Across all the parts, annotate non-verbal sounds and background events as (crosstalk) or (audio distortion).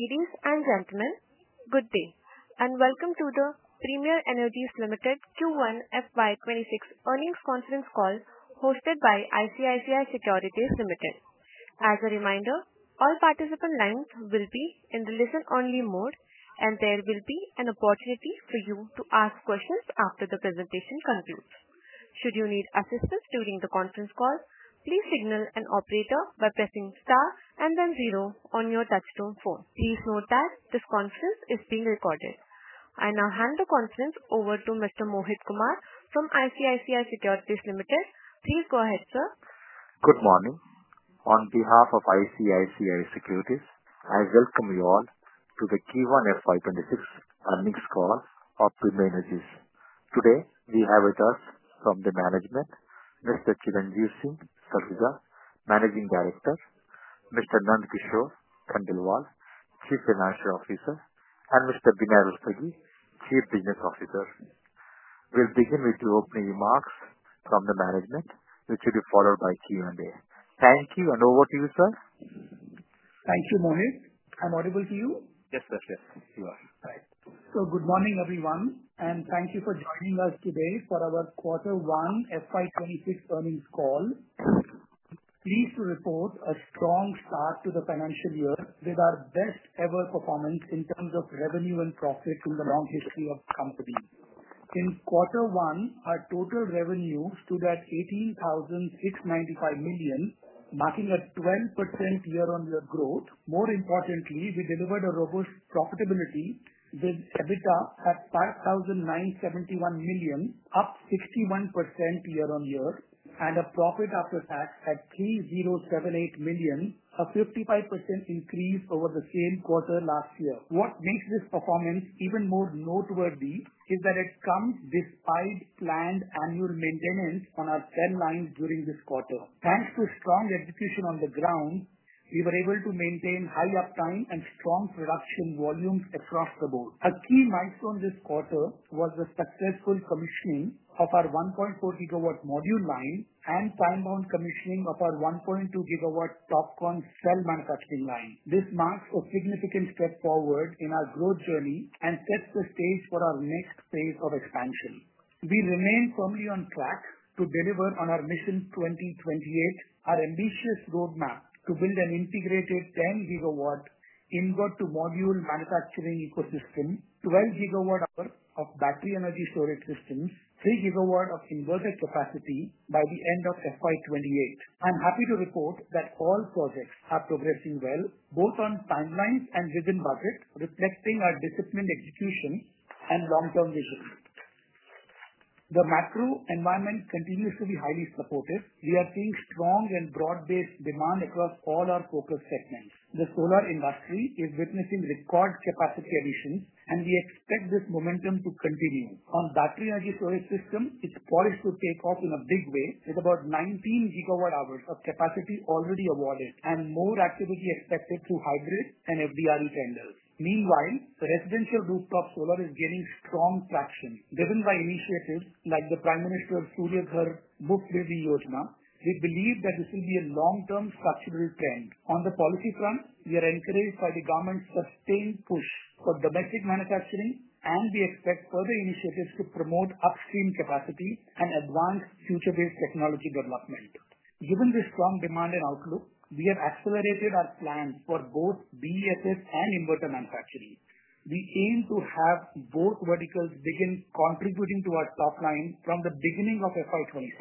Ladies and gentlemen, good day and welcome to the Premier Energies Limited Q1 FY 2026 Earnings Conference Call hosted by ICICI Securities. As a reminder, all participant lines will be in the listen-only mode and there will be an opportunity for you to ask questions after the presentation concludes. Should you need assistance during the conference call, please signal an operator by pressing star and then zero on your touch-tone phone. Please note that this conference is being recorded. I now hand the conference over to Mr. Mohit Kumar from ICICI Securities. Please go ahead, sir. Good morning. On behalf of ICICI Securities, I welcome you all to the Q1 FY 2026 earnings call of Premier Energies. Today we have with us from the management, Mr. Chiranjeev Singh Saluja, Managing Director, Mr. Nand Kishore Khandelwal, Chief Financial Officer, and Mr. Vinay Rustagi, Chief Business Officer. We'll begin with the opening remarks from the management, which will be followed by Q&A. Thank you. Over to you, sir. Thank you, Mohit. I'm audible to you. Yes, sir, you are. Good morning everyone, and thank you for joining us today for our quarter one FY 2026 earnings call. Pleased to report a strong start to the financial year with our best ever performance in terms of revenue and profit in the long history of the company. In quarter one, our total revenue stood at 18,695 million, marking a 12% year-on-year growth. More importantly, we delivered a robust profitability with EBITDA at 5,971 million, up 61% year-on-year, and a profit after tax at 378 million, a 55% increase over the same quarter last year. What makes this performance even more noteworthy is that it comes despite planned annual maintenance on our cell lines during this quarter. Thanks to strong execution on the ground, we were able to maintain high uptime and strong production volumes across the board. A key milestone this quarter was the successful commissioning of our 1.4 GW module line and time-bound commissioning of our 1.2 GW TOPCon cell manufacturing line. This marks a significant step forward in our growth journey and sets the stage for our next phase of expansion. We remain firmly on track to deliver on our Mission 2028, our ambitious roadmap to build an integrated 10 GW inward to module manufacturing ecosystem, 12 GW hours of battery energy storage systems, and 3 GW of inverter capacity by the end of FY 2028. I'm happy to report that all projects are progressing well, both on timelines and within budget, reflecting our disciplined execution and long-term vision. The macro environment continues to be highly supportive. We are seeing strong and broad-based demand across all our focus segments. The solar industry is witnessing record capacity additions, and we expect this momentum to continue. On battery energy solar system is poised to take off in a big way with about 19 GW hours of capacity already awarded and more activity expected through hybrids and FDRE tenders. Meanwhile, the residential rooftop solar is gaining strong traction, driven by initiatives like the Prime Minister Surya Ghar Muft Bijli Yojana. We believe that this will be a long-term structural trend. On the policy front, we are encouraged by the government's sustained push for domestic manufacturing, and we expect further initiatives to promote upstream capacity and advance future-based technology development. Given the strong demand and outlook, we have accelerated our plans for both battery energy storage systems and inverter manufacturing. We aim to have both verticals begin contributing to our top line from the beginning of FY 2027.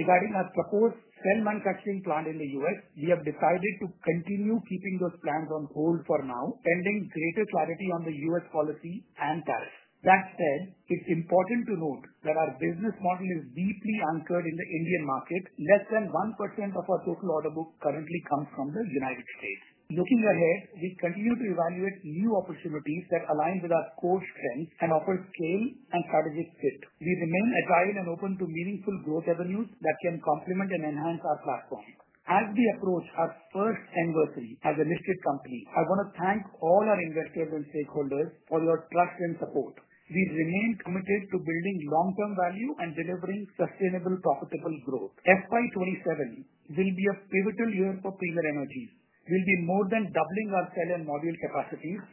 Regarding our proposed cell manufacturing plant in the U.S., we have decided to continue keeping those plans on hold for now, pending greater clarity on the U.S. policy and tariff. That said, it's important to note that our business model is deeply anchored in the Indian market. Less than 1% of our total order book currently comes from the United States. Looking ahead, we continue to evaluate new opportunities that align with our core strengths and offer scale and strategic fit. We remain agile and open to meaningful growth avenues that can complement and enhance our platform. As we approach our first anniversary as a listed company, I want to thank all our investors and stakeholders for your trust and support. We remain committed to building long term value and delivering sustainable, profitable growth. FY 2027 will be a pivotal year for cleaner energy. We'll be more than doubling our cell and module capacities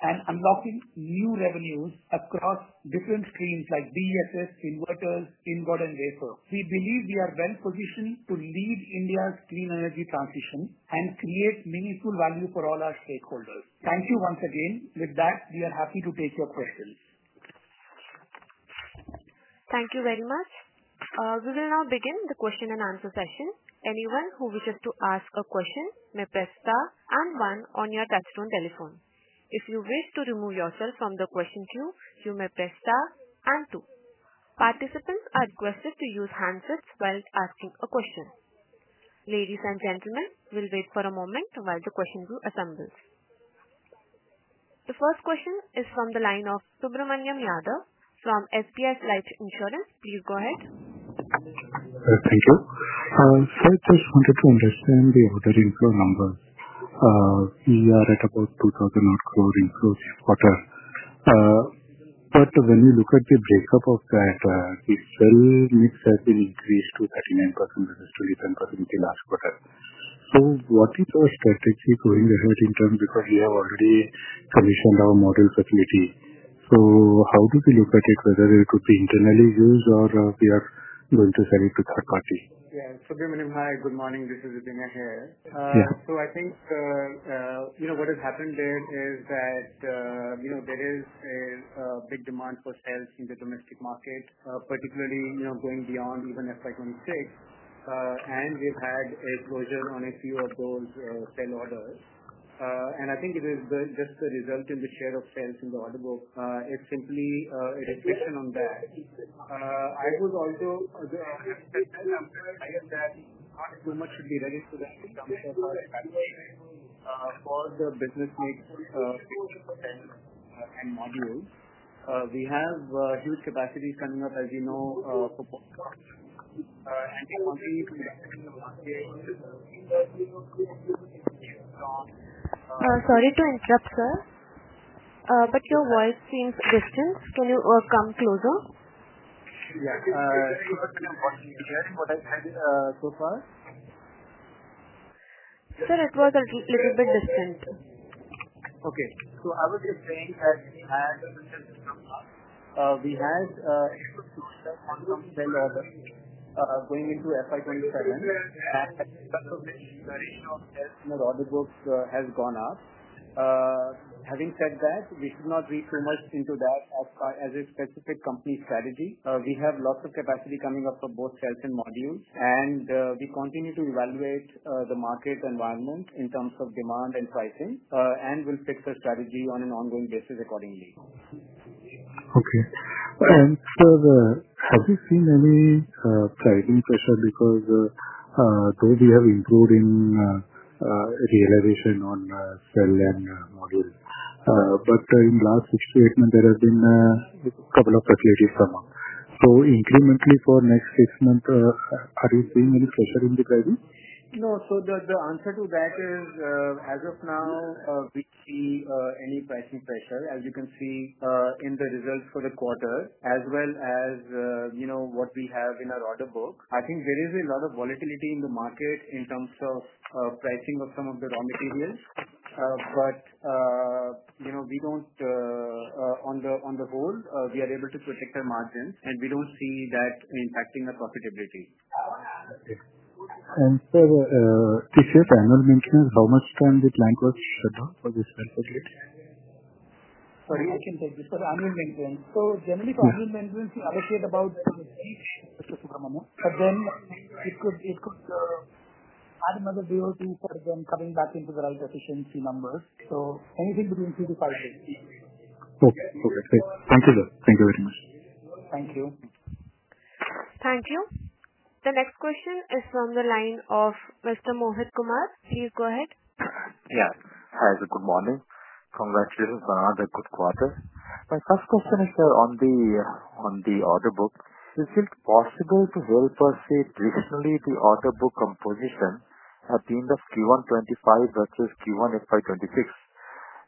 and unlocking new revenues across different streams like battery energy storage systems, inverters, ingots, and wafer. We believe we are well positioned to lead India's clean energy transition and create meaningful value for all our stakeholders. Thank you once again. With that, we are happy to take your questions. Thank you very much. We will now begin the question and answer session. Anyone who wishes to ask a question may press star and one on your touch-tone telephone. If you wish to remove yourself from the question queue, you may press star and two. Participants are requested to use handsets while asking a question. Ladies and gentlemen, we'll wait for a moment while the question queue assembles. The first question is from the line of Subramaniam Yadav from SBI Life Insurance. Please go ahead. Thank you. I just wanted to understand the order inflow numbers. We are at about 2,000 crore inflows this quarter. When you look at the breakup of that, the cell mix has been increased to 39% versus 27% in the last quarter. What is our strategy going ahead in terms of this? We have already commissioned our module facility. How do we look at it? Would it be internally used or are we going to sell it to third party? Subramaniam. Hi, good morning. This is Vinay here. I think what has happened there is that there is big demand for sales in the domestic market, particularly going beyond even FY 2026. We've had a closure on a few of those send orders. I think it is just the result in the share of sales in the order book. It's simply a restriction on that. I would also be ready for that. For the business needs and modules, we have huge capacities coming up as you know. (audio distortion) Sorry to interrupt, sir, but your voice seems distant. Can you come closer. Sir, it was a little bit distant. I was just saying that we had going into FY 2027 order books has gone up. Having said that, we should not read too much into that as a specific company strategy. We have lots of capacity coming up for both shelf and modules, and we continue to evaluate the market environment in terms of demand and pricing and will fix our strategy on an ongoing basis accordingly. Okay. Sir, have you seen any pricing pressure? Because though we have improved in realization on cell and module, in the last six to eight months there have been a couple of facilities come up. Incrementally, for the next six months, are you seeing any pressure in pricing? No, so the answer to that is as of now we see any pricing pressure, as you can see in the results for the quarter as well as what we have in our order book. I think there is a lot of volatility in the market in terms of pricing of some of the raw materials. On the whole, we are able to protect our margins and we don't see that impacting our profitability. So this is annual maintenance, how much time was the plant shut down for this maintenance? Sorry, I can take this for annual maintenance. Generally, for annual maintenance you allocate about, but it could add another day or two for them coming back into the right efficiency numbers. Anything between three to five days. Okay. Okay. Thank you, sir. Thank you very much. Thank you. Thank you. The next question is from the line of Mr. Mohit Kumar. Please go ahead. Hi. Good morning. Congratulations on another good quarter. My first question is, on the order book. Is it possible to help us say traditionally the order book composition at the end of Q1 FY 2025 versus Q1 FY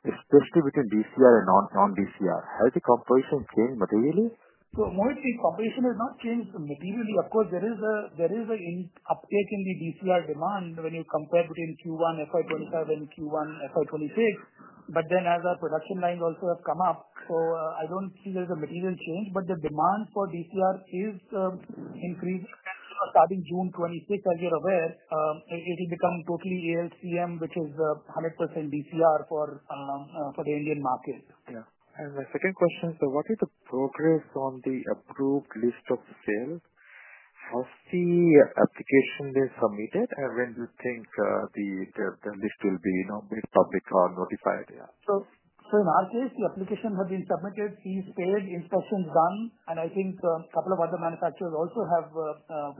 2026, especially between DCR and non-DCR, has the composition changed materially? Mohit, the competition has not changed materially. Of course, there is an uptick in the DCR demand when you compare between Q1 FY 2025 and Q1 FY 2026. As our production lines also have come up, I don't see there's a material change. The demand for DCR is increasing. Starting June 26th, as you're aware, it will become totally ALMM, which is 100% DCR for the Indian market. Yeah. The second question is what is. The progress on the aproved list of sales. Has the application is submitted, and when do you think the list will be made public or notified? In our case, the application has been submitted, fees paid, inspections done. I think a couple of other manufacturers also have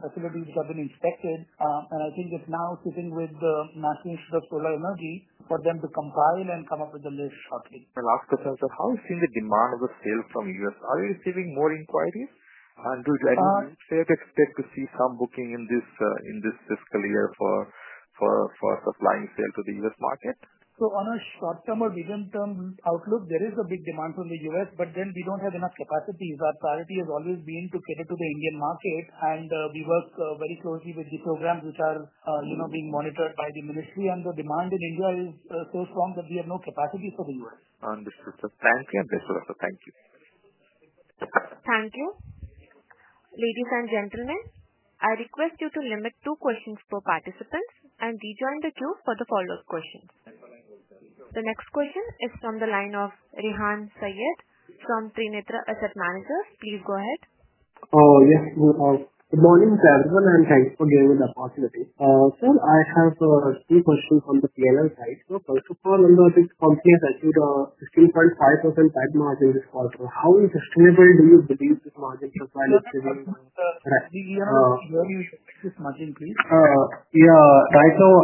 facilities which have been inspected, and I think it's now sitting with the National Institute of Solar Energy for them to compile and come up with a list shortly. My last question, sir. How seen the demand of the sale from U.S.? Are you receiving more inquiries? Expect to see some booking in this fiscal year for supplying sale to the U.S. market. On a short term or medium term outlook, there is a big demand from the U.S., but then we don't have enough capacities. Our priority has always been to cater to the Indian market, and we work very closely with the programs which are being monitored by the Ministry. The demand in India is so strong that we have no capacity for the U.S. Understood, sir. Thank you. Thank you. Ladies and gentlemen, I request you to limit to two questions per participant and rejoin the queue for follow-up questions. The next question is from the line of Rehan Saiyyed from Trinetra Asset Managers. Please go ahead. Yes, good morning to everyone and thanks for giving me the opportunity. Sir, I have two questions from the PLL side. First of all, this company has achieved a 15.5% PAT margin this quarter. How sustainable do you believe this margin profile is? Yeah, right now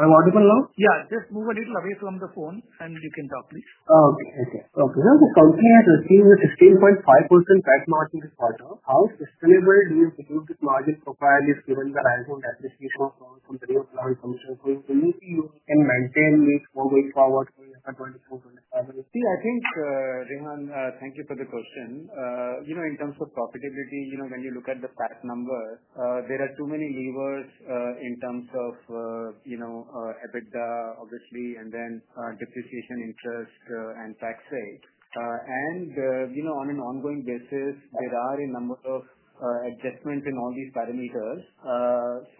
I'm audible now. Yeah, just move a little away from the phone and you can talk, please. Okay. Now the company has achieved a 16.5% PAT margin this quarter. How sustainable do you believe that margin profile is given the rising depreciation of consumption? Do you see you can maintain it moving forward? See, I think Rehan, thank you for the question. You know, in terms of profitability, you know, when you look at the PAT number there are too many levers in terms of, you know, EBITDA obviously and then depreciation, interest, and tax. On an ongoing basis there are a number of adjustments in all these parameters.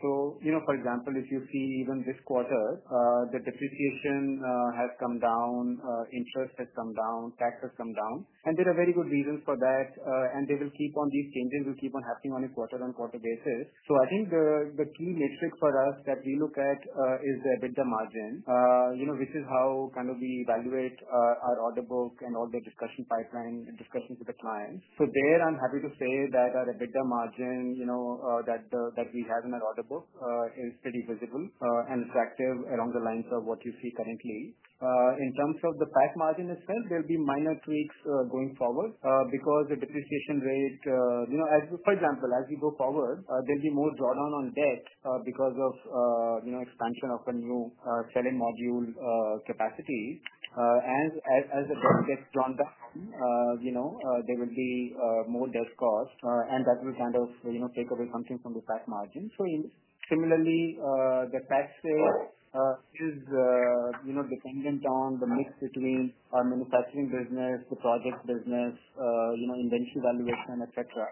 For example, if you see even this quarter, the depreciation has come down, interest has come down, tax has come down, and there are very good reasons for that and they will keep on. These changes will keep on happening on a quarter-on-quarter basis. I think the key metric for us that we look at is with the margin, which is how we evaluate our order book and all the pipeline discussions with the clients. There I'm happy to say that our EBITDA margin that we have in our order book is pretty visible and attractive along the lines of what you see currently in terms of the PAT margin itself. There'll be minor tweaks going forward because the depreciation rate, for example, as we go forward there'll be more drawdown on debt because of expansion of a new cell and module capacity. As the debt gets drawn down, there will be more debt cost and that will kind of take away something from the PAT margin. Similarly, the tax rate is dependent on the mix between our manufacturing business, the project business, inventory valuation, et cetera.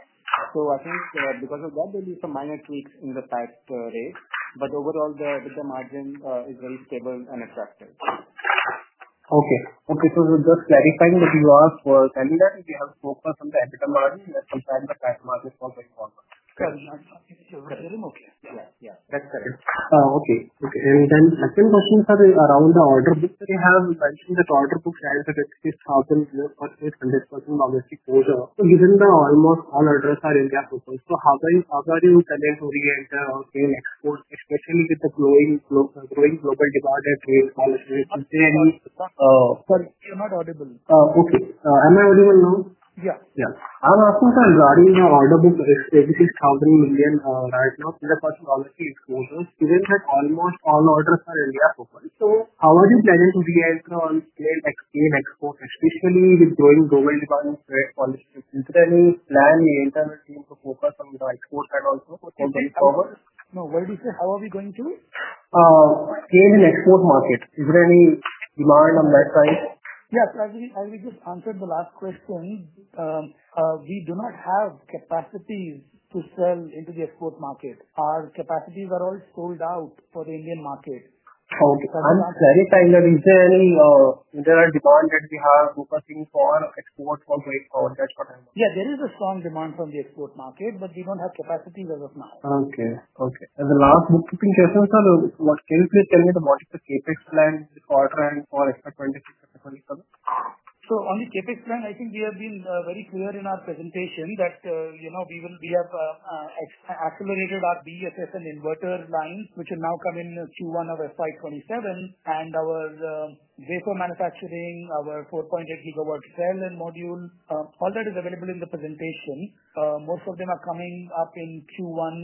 I think because of that there'll be some minor tweaks in the tax rate. Overall, the margin is very stable and attractive. Okay, just clarifying that you are for telling that if you have focus on the EBIT margin. Yes, that's correct. Okay. The second question around the order book, we have mentioned that order book is at 100% domestic exposure. Given that almost all orders are India focused, how are you telling to re-enter or export, especially with the growing global departure trade policies? Is there any sort? You're not audible. Okay, am I audible now? Yeah, yeah. I'm asking regarding the order book. Is 86,000 million, right now. Is the policy exposures isn't almost all orders for India profile. How are you planning to reenter on scale exports, especially with growing global demand? Is there any plan the internal team to focus on exports also? No. What did you say? How are we going to? Scale in export market? Is there any demand on that side? Yes, as we just answered the last question, we do not have capacities to sell into the export market. Our capacities are all sold out for the Indian market. Okay, I'm clarifying that. Is there any, is there any demand that we have focusing for export for grade power. That's what I'm talking about. Yeah, there is a strong demand from the export market, but we don't have capacities as of now. Okay. As a last bookkeeping session, sir, can you please tell me what is the CAPEX plan, the quarter and for FY 2026, FY 2027? On the CAPEX plan, I think we have been very clear in our presentation that we have accelerated our BESS and inverter lines, which will now come in Q1 of FY 2027, and our wafer manufacturing, our 4.8 GW cell and module. All that is available in the presentation. Most of them are coming up in Q1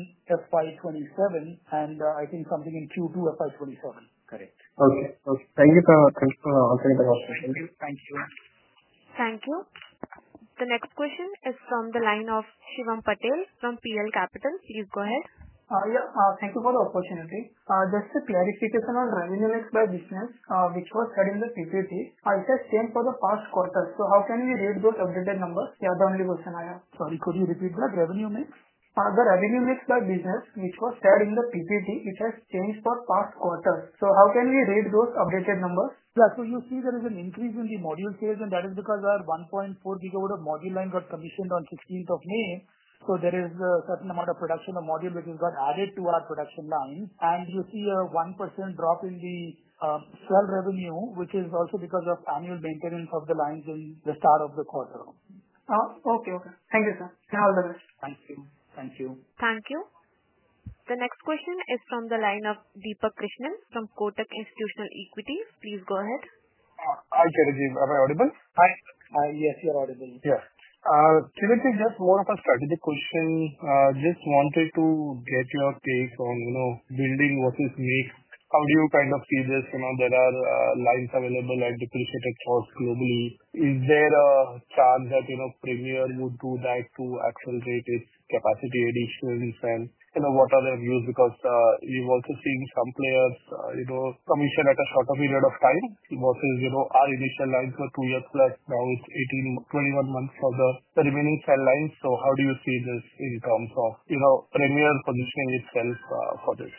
FY 2027, and I think something in Q2 FY 2027. Correct. Okay, thank you, sir. Thanks for answering the question. Thank you. The next question is from the line of Shivam Patel from PL Capital. Please go ahead. Yeah, thank you for the opportunity. Just a clarification on revenue mix by business which was had in the PPT. It has same for the past quarter. How can we read those updated numbers? You are the only version I have. Sorry, could you repeat that revenue mix? For the revenue mix by business which was shared in the PPT, it has changed for past quarter. How can we read those updated numbers? Yeah, you see there is an increase in the module sales and that is because our 1.4 GW of module line got commissioned on 16th of May. There is certain amount of production of module which has got added to our production line. You see a 1% drop in the cell revenue which is also because of annual maintenance of the lines in the start of the quarter. Okay. Okay. Thank you sir. All the best. Thank you. Thank you. Thank you. The next question is from the line of Deepak Krishnan from Kotak Institutional Equities. Please go ahead. Hi Chiranjeev. Am I audible? Hi, yes, you're audible. Yes, just more of a strategic question. Just wanted to get your take on, you know, building versus mixed. How do you kind of see this? You know there are lines available at depreciated source globally. Is there a chance that, you know, Premier Energies would do that to accelerate its capacity additions and, you know, what are their views? We've also seen some players commission at a shorter period of time versus, you know, our initial lines were two years plus. Now it's 18 months-21 months for the remaining cell lines. How do you see this in terms of, you know, Premier positioning itself for this?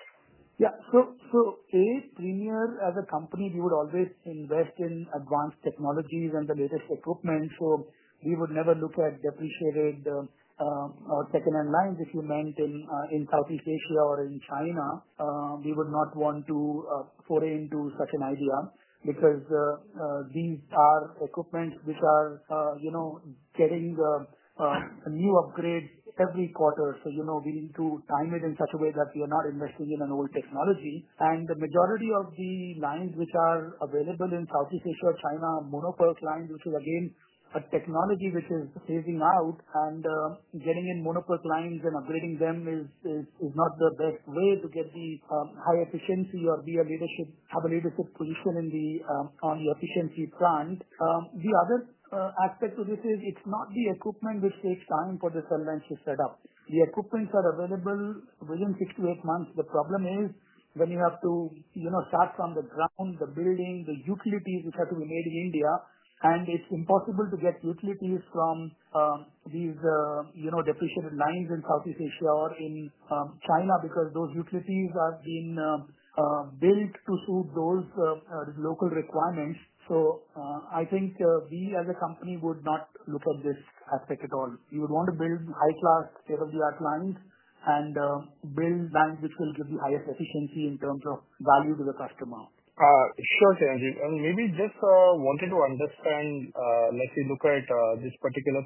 Yeah, so at Premier as a company we would always invest in advanced technologies and the latest equipment. We would never look at depreciated second-hand lines. If you meant in Southeast Asia or in China, we would not want to foray into such an idea because these are equipment which are getting new upgrades every quarter. We need to time it in such a way that we are not investing in an old technology. The majority of the lines which are available in Southeast Asia, China monopoly, which is again a technology which is phasing out, and getting in Mono PERC lines and upgrading them is not the best way to get the high efficiency or have a leadership position on the efficiency plant. The other aspect of this is it's not the equipment which takes time for the cell lines to set up. The equipment is available within six to eight months. The problem is when you have to start from the ground, the building, the utilities which have to be made in India. It's impossible to get utilities from these depreciated lines in Southeast Asia or in China because those utilities have been built to suit those local requirements. I think we as a company would not look at this aspect at all. We would want to build high-class state-of-the-art lines and build banks which will give the highest efficiency in terms of value to the customer. Sure. Maybe just wanted to understand, let's say look at this particular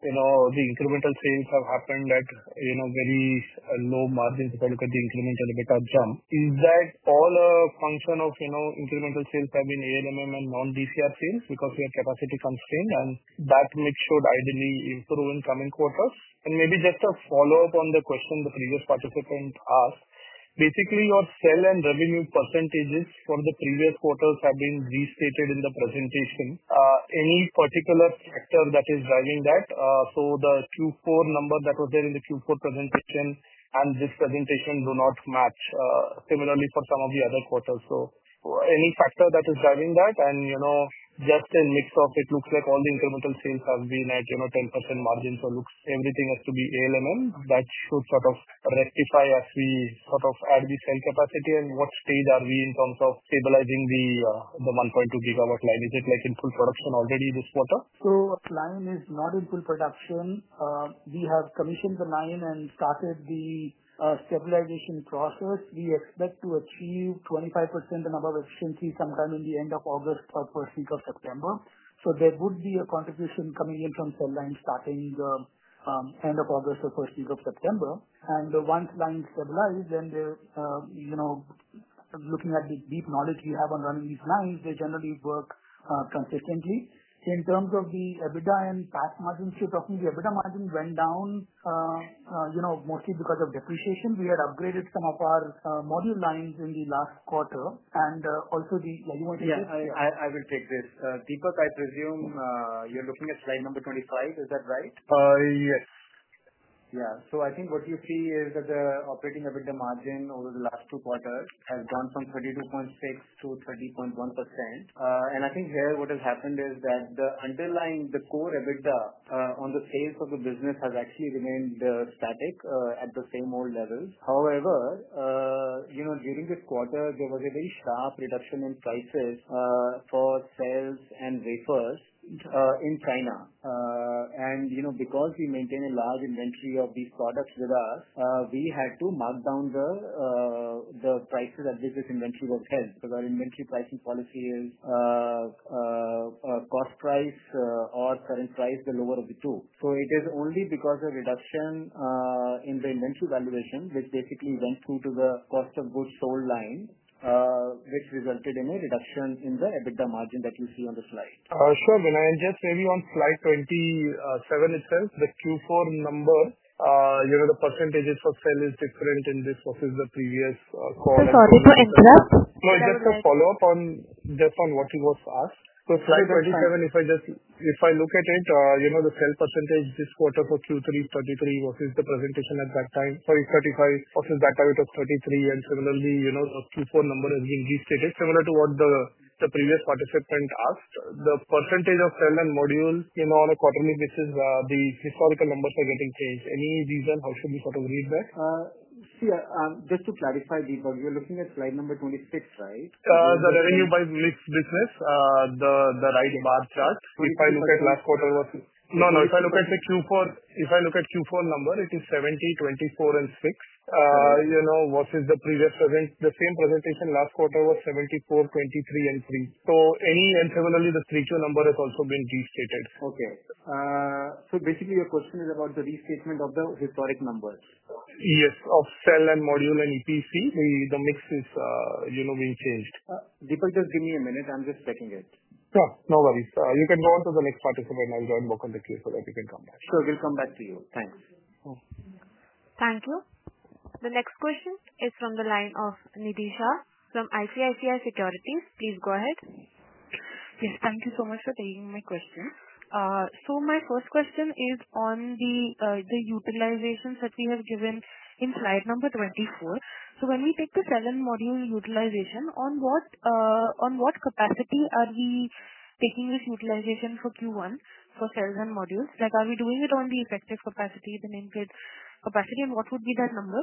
quarter. The incremental sales have happened at very low margins. If I look at the incremental EBITDA jump, is that all a function of incremental sales have been ALMM and non-DCR chains because we are capacity constrained and that mix should ideally improve in coming quarters. Maybe just a follow up on the question the previous participant asked. Basically your cell and revenue percentages for the previous quarters have been restated in the presentation. Any particular factor that is driving that? The Q4 number that was there in the Q4 presentation and this presentation do not match, similarly for some of the other quarters. Any factor that is driving that? In mix of it, it looks like all the incremental sales have been at 10% margin. Looks like everything has to be ALMM. That should sort of rectify as we add the cell capacity. What stage are we in terms of stabilizing the 1.2 GW line? Is it in full production already this quarter? The line is not in full production. We have commissioned the line and started the stabilization process. We expect to achieve 25% and above efficiency sometime in the end of August or first week of September. There would be a contribution coming in from cell lines starting end of August or first week of September. Once lines stabilize, then, you know, looking at the deep knowledge we have on running these lines, they generally work consistently. In terms of the EBITDA and past margins, you're talking the EBITDA margin went down, you know, mostly because of depreciation. We had upgraded some of our module lines in the last quarter. And also the, Vinay you want to. I will take this. Deepak, I presume you're looking at slide number 25, is that right? Yes. Yeah. I think what you see is that the operating EBITDA margin over the last two quarters has gone from 32.6%-30.1%. I think here what has happened is that the underlying, the core EBITDA on the sales of the business has actually remained static at the same old levels. However, during this quarter there was a very sharp reduction in prices for sales and wafers in China. Because we maintain a large inventory of these products with us, we had to mark down the prices that business inventory will pay because our inventory pricing policy is cost price or current price, the lower of the two. It is only because of reduction in the inventory valuation, which basically went through to the cost of goods sold line, which resulted in a reduction in the EBITDA margin that you see on the slide. Sure, Vinay, maybe on slide 27 itself, the Q4 number, you know, the percentage for sale is different in this versus the previous call. Sorry to interrupt. No, just a follow-up on depth on what he was asked. Slide 27, if I just, if I look at it, you know, the cell percentage this quarter for Q3, 33% versus the presentation at that time, so it's 35%. For his data it was 33%. Similarly, the Q4 number has been restated similar to what the previous participant asked. The percentage of cell and module, you know, on a quarterly basis. The historical numbers are getting changed. Any reason how should we sort of read that? Just to clarify, Deepak, we are looking at slide number 26. Right. The revenue by mixed business. The right bar chart, if I look at Q4 number, it is 70, 24, and 6, you know, versus the same presentation last quarter was 74, 23, and 3. Similarly, the 32 number has also been restated. Okay, your question is about the restatement of the historic numbers. Yes, of cell and module and EPC, the mix is, you know, being changed. Deepak, just give me a minute. I'm just checking it. Yeah, no worries. You can go on to the next participant. I'll join more on the queue so that you can come back. Sure, we'll come back to you. Thanks. Thank you. The next question is from the line of Nidhi Shah from ICICI Securities. Please go ahead. Yes, thank you so much for taking my question. My first question is on the utilizations that we have given in slide number 24. When we take the cell and module utilization, on what capacity are we taking this utilization for Q1, for cells and modules? Are we doing it on the effective capacity, the nameplate capacity, and what would be that number?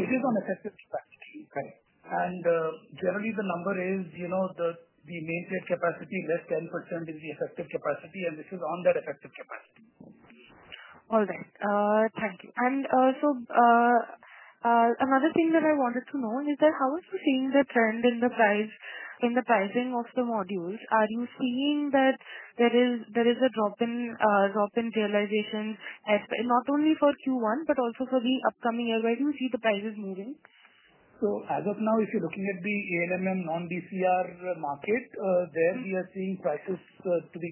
It is on effective capacity, and generally the number is, you know, the main paid capacity, less 10%, is the effective capacity. This is on that effective capacity. All right. Thank you. Another thing that I wanted to know is how are you seeing the trend in the pricing of the modules? Are you seeing that there is a drop in realization not only for Q1 but also for the upcoming year? Where do you see the prices moving? If you're looking at the ALMM non-DCR market, there we are seeing prices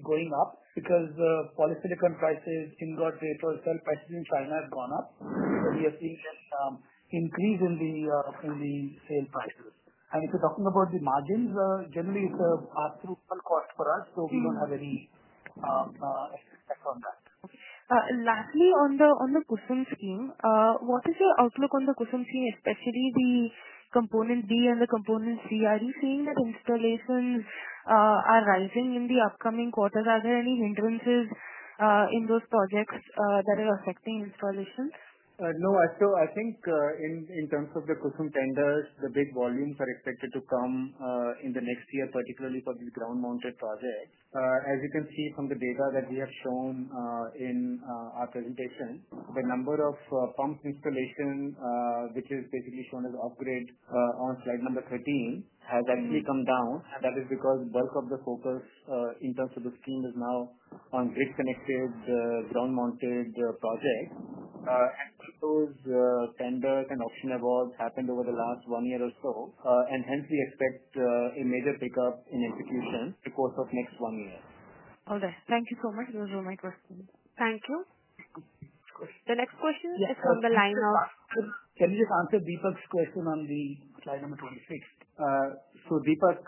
going up because polysilicon prices and ingot deposit prices in China have gone up. We have seen increase in the sale prices, and if you're talking about the margins, generally it's a cost for us. We don't have any. Lastly, on the custom scheme, what is your outlook on the custom scheme, especially the component B and the component C? Are you seeing that installations are rising in the upcoming quarters? Are there any hindrances in those projects that are affecting installations? No. I think in terms of the custom tenders, the big volumes are expected to come in the next year, particularly for the ground mounted projects. As you can see from the data that we have shown in our presentation, the number of pump installations, which is basically shown as upgrade on slide number 13, has actually come down. That is because bulk of the focus in terms of the scheme is now on grid connected ground mounted projects. Those tenders and auction evolutions happened over the last one year or so, and hence we expect a major pickup in execution in the course of next one year. All right, thank you so much. Those were my questions. Thank you. The next question is from the line of. Can you just answer Deepak's question on slide number 26? Hi Deepak.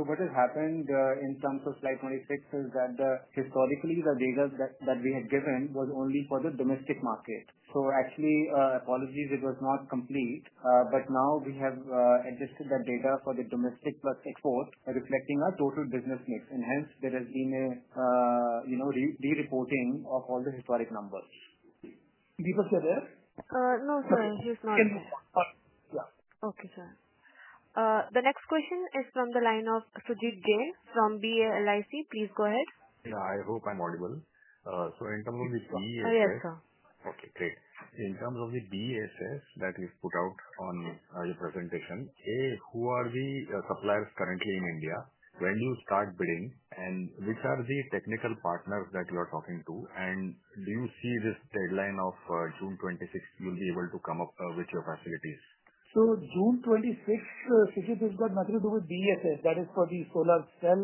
What has happened in terms of slide 26 is that historically the data that we had given was only for the domestic market. Actually, apologies, it was not complete. Now we have adjusted that data for the domestic plus export, reflecting our total business mix, and hence there has been a re-reporting of all the historic numbers. Deepak are you there? No sir, he's not. Yeah, okay. Okay sir, the next question is from the line of Sujit Jain from BALIC. Please go ahead. I hope I'm audible. In terms of the. Yes, sir. Okay, great. In terms of the BESS that you've put out on your presentation, who are the suppliers currently in India? When do you start bidding and which are the technical partners that you are talking to? Do you see this deadline of June 26th? You will be able to come up with your facilities. June 26th has got nothing to do with BESS. That is for the solar cell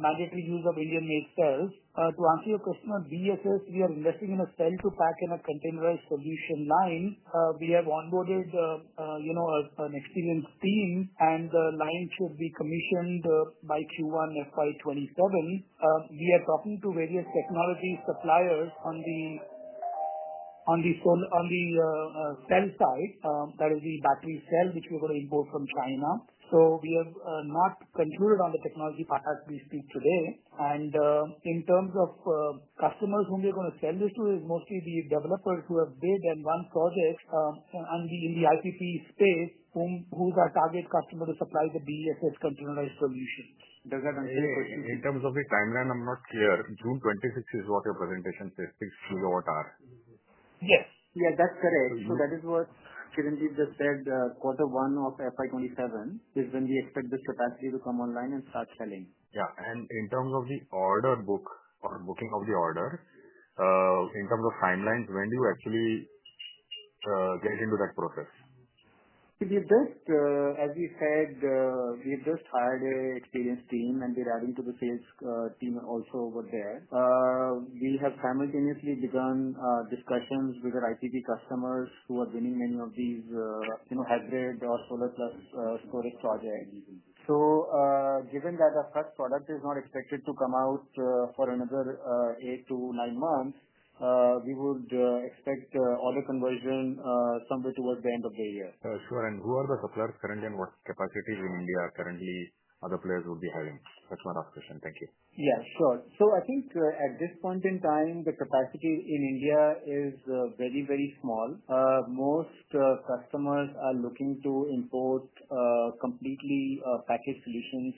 mandatory use of Indian made cells. To answer your question on BESS, we are investing in a cell to pack in a containerized solution line. We have onboarded an experienced team and the line should be commissioned by Q1 FY 2027. We are talking to various technology suppliers on the cell side, that is the battery cell which we're going to import from China. We have not concluded on the technology part as we speak today. In terms of customers whom we're going to sell this to, it is mostly the developers who have bid and run projects in the IPP space. Who is our target customer to supply the BESS containerized solution. Does that answer your question? In terms of the timeline, I'm not clear. June 26th is what your presentation says, 6 GW hours? Yes, that's correct. That is what Chiranjeev just said. Quarter one of FY 2027 is when we expect this capacity to come online and start selling. In terms of the order book or booking of the order, in terms of timelines, when do you actually get into that process? As we said, we've just hired an experienced team and we're adding to the sales team also over there. We have simultaneously begun discussions with our IPP customers who are winning many of these hybrid or solar plus storage projects. Given that our product is not expected to come out for another eight to nine months, we would expect order conversion somewhere towards the end of the year. Sure. Who are the suppliers currently, and what capacities in India currently other players would be having? That's my last question. Thank you. Yeah, sure. I think at this point in time the capacity in India is very, very small. Most customers are looking to import completely packaged solutions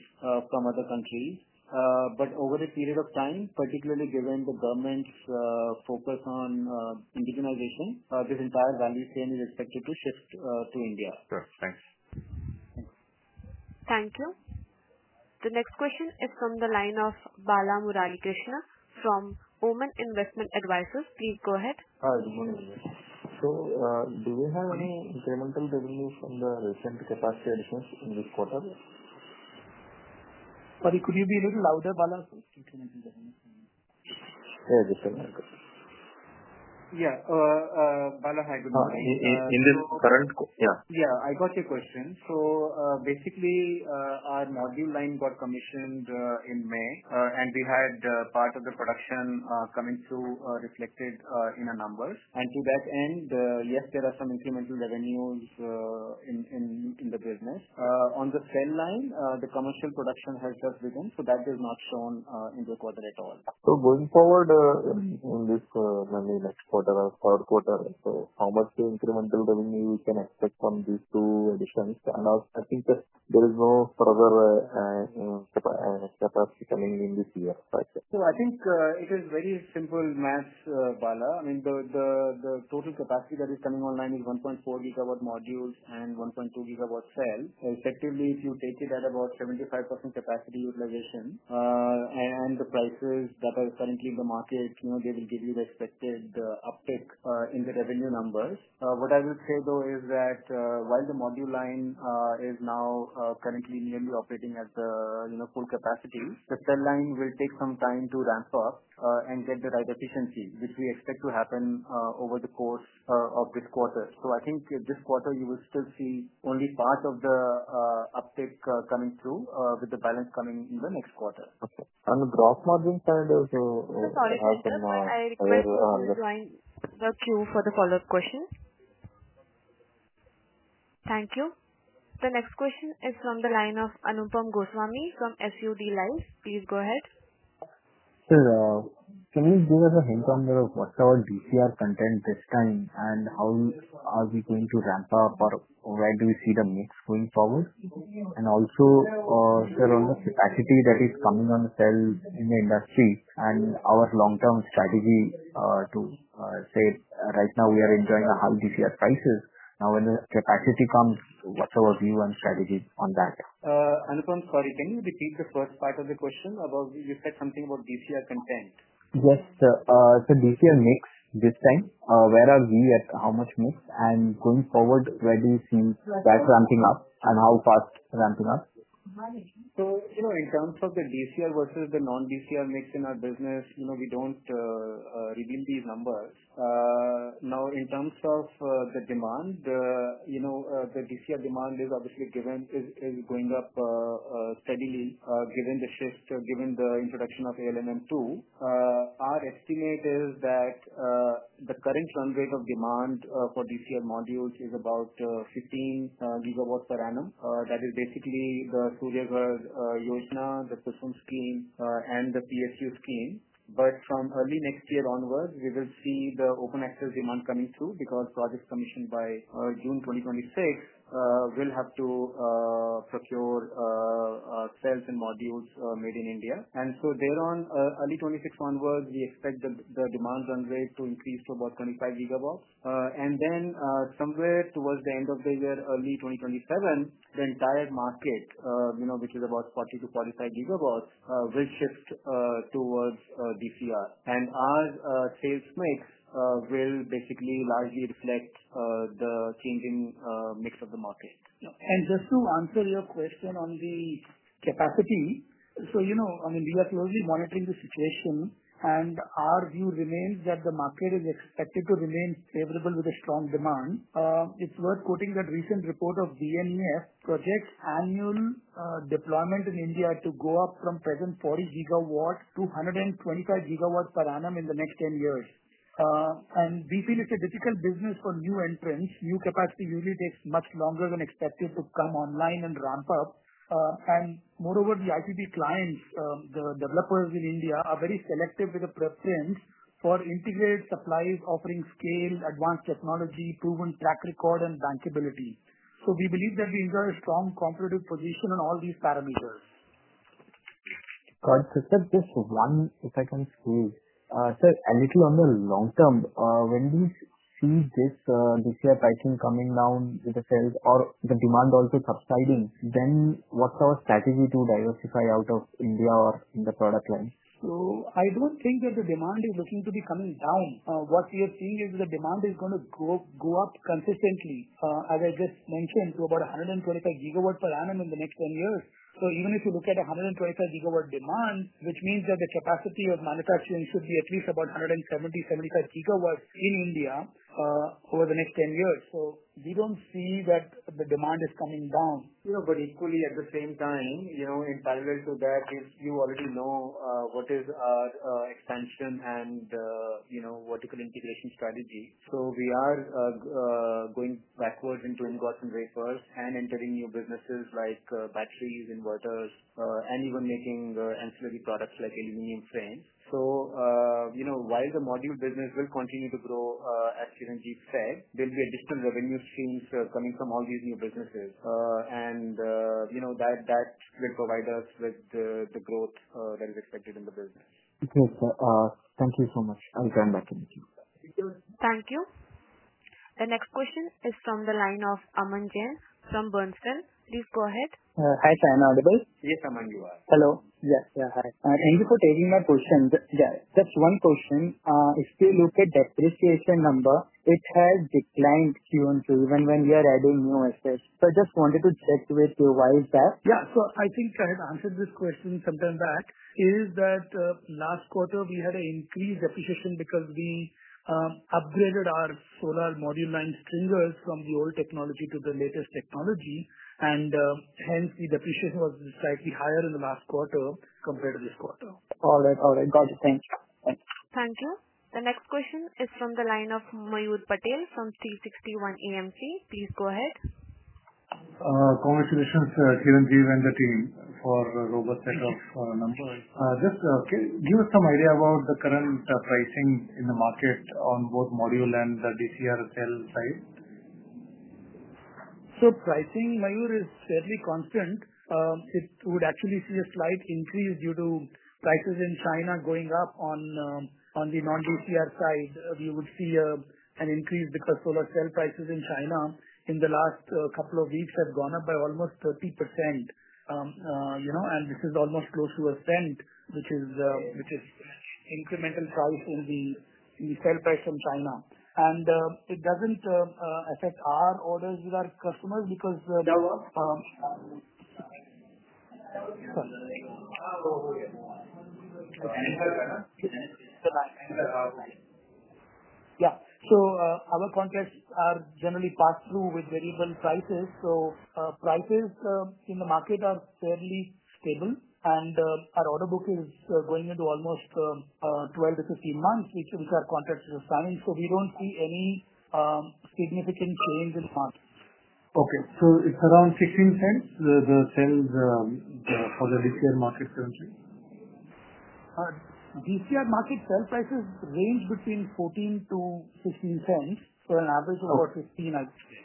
from other countries. Over a period of time, particularly given the government's focus on indigenization, this entire value chain is expected to shift to India. Great, thanks. Thank you. The next question is from the line of Bala Murali Krishna from Oman Investment Advisors. Please go ahead. Good morning guys. Do we have any incremental revenue from the recent capacity additions in this quarter? Sorry, could you be a little louder, Bala? I got your question. Basically, our main module line got commissioned in May, and we had part of the production coming through reflected in the numbers. To that end, yes, there are some incremental revenues in the business. On the cell line, the commercial production has just begun, so that is not shown in the quarter at all. Going forward in this next quarter or third quarter, how much incremental revenue can we expect from these two additions? I think there is no further capacity coming in this year. I think it is very simple math, Bala. I mean the total capacity that is coming online is 1.4 GW modules and 1.2 GW cell. Effectively, if you take it at about 75% capacity utilization and the prices that are currently in the market, they will give you the expected uptick in the revenue numbers. What I would say though is that while the module line is now currently nearly operating at the full capacity, the cell line will take some time to ramp up and get the right efficiency, which we expect to happen over the course of this quarter. I think this quarter you will still see only part of the uptick coming through, with the balance coming in in the next quarter. Okay, and the gross margin kind of. Sorry. Join the queue for the follow-up question. Thank you. The next question is from the line of Anupam Goswami from SUD Life. Please go ahead. Sir, can you give us a hint on what's our DCR content this time, and how are we going to ramp up or where do we see the mix going forward? Also, sir, on the capacity that is coming on the cell, the industry and our long term strategy to say. Right now we are enjoying high DCR prices. Now when the capacity comes, what's our view and strategies on that? Anupam, sorry, can you repeat the first part of the question? You said something about DCR content. Yes. DCR mix this time, where are we at how much mix, and going forward, where do you see that ramping up and how fast ramping up? In terms of the. DCR versus the non-DCR mix in our business, you know, we don't reveal these numbers. Now, in terms of the demand, you know, the DCR demand is obviously going up steadily. Given the shift, given the introduction of ALMM2. Our estimate is that the current run rate of demand for DCR modules is about 15 GW per annum. That is basically the Surya Ghar Yojana, and the PSU scheme. From early next year onwards, we will see the open access demand coming through because projects commissioned by June 2026 will have to procure cells and modules made in India. There, on early 2026 onwards, we expect the demand run rate to increase to about 25 GW. Somewhere towards the end of the year, early 2027, the entire market, which is about 40 GW-45 GW, will shift towards DCR. Our sales mix will basically largely reflect the changing mix of the market. Just to answer your question on the capacity, we are closely monitoring the situation and our view remains that the market is expected to remain favorable with strong demand. It's worth quoting that a recent report of BNEF projects annual deployment in India to go up from the present 40 GW to 125 GW per annum in the next 10 years. We feel it's a difficult business for new entrants. New capacity usually takes much longer than expected to come online and ramp up. Moreover, the IPP clients, the developers in India, are very selective with the preference for integrated supplies, offering scale, advanced technology, proven track record, and bankability. We believe that we enjoy a strong competitive position on all these parameters. Just one, if I can squeeze. So a little on the long term, when we see this year pricing coming down with the sales or the demand also subsiding, then what's our strategy to diversify out of India or in the product lines? I don't think that the demand is looking to be coming down. What we are seeing is the demand is going to go up consistently, as I just mentioned, to about 125 GW per annum in the next 10 years. Even if you look at 125 GW demand, which means that the capacity of manufacturing should be at least about 170 GW-175 GW in India over the next 10 years. We don't see that the demand is coming down. Equally, at the same time, in parallel to that, you already know what is our expansion and vertical integration strategy. We are going backwards into inwards and wafers and entering new businesses like batteries, inverters, and even making ancillary process products like aluminum frame. While the module business will continue to grow, as Chiranjeev said, there will be additional revenue streams coming from all these new businesses, and that will provide us with the growth that is expected in the business. Thank you so much. I'll turn back in a few minutes. Thank you. The next question is from the line of Aman Jain from Boston. Please go ahead. Hi, I'm audible. Yes, Aman, you are. Hello. Yes, hi. Thank you for taking my question. Just one question. If you look at depreciation number, it has declined Q-on-Q even when we are adding new assets. I just wanted to check with you, why is that? I think I had answered this question sometime back, that last. Quarter, we had an increased depreciation because. We upgraded our solar module line stringers from the old technology to the latest technology, and hence the depreciation was slightly higher in the last quarter compared to this quarter. All right, all right, got it. Thank you. Thank you. The next question is from the line of Mayur Patel from 360 ONE Asset. Please go ahead. Congratulations Chiranjeev and the team for robust set of numbers. Just give us some idea about the. Current pricing in the market on both module and DCR sales side. Pricing, Mayur, is fairly constant. It would actually see a slight increase due to prices in China going up on the non-DCR side. We would see an increase because solar cell prices in China in the last couple of weeks have gone up by almost 30%, and this is almost close to $0.01, which is incremental size in the sale price from China. It doesn't affect our orders with our customers because our contracts are generally passed through with variable prices. Prices in the market are fairly stable, and our order book is going into almost 12 months to 15 months, which our contractors are signed. We don't see any significant change in market. Okay, so it's around $0.16 the sales for the DCR market currently. DCR market sell prices range between $0.14 to $0.15 for an average of about $0.15, I would say.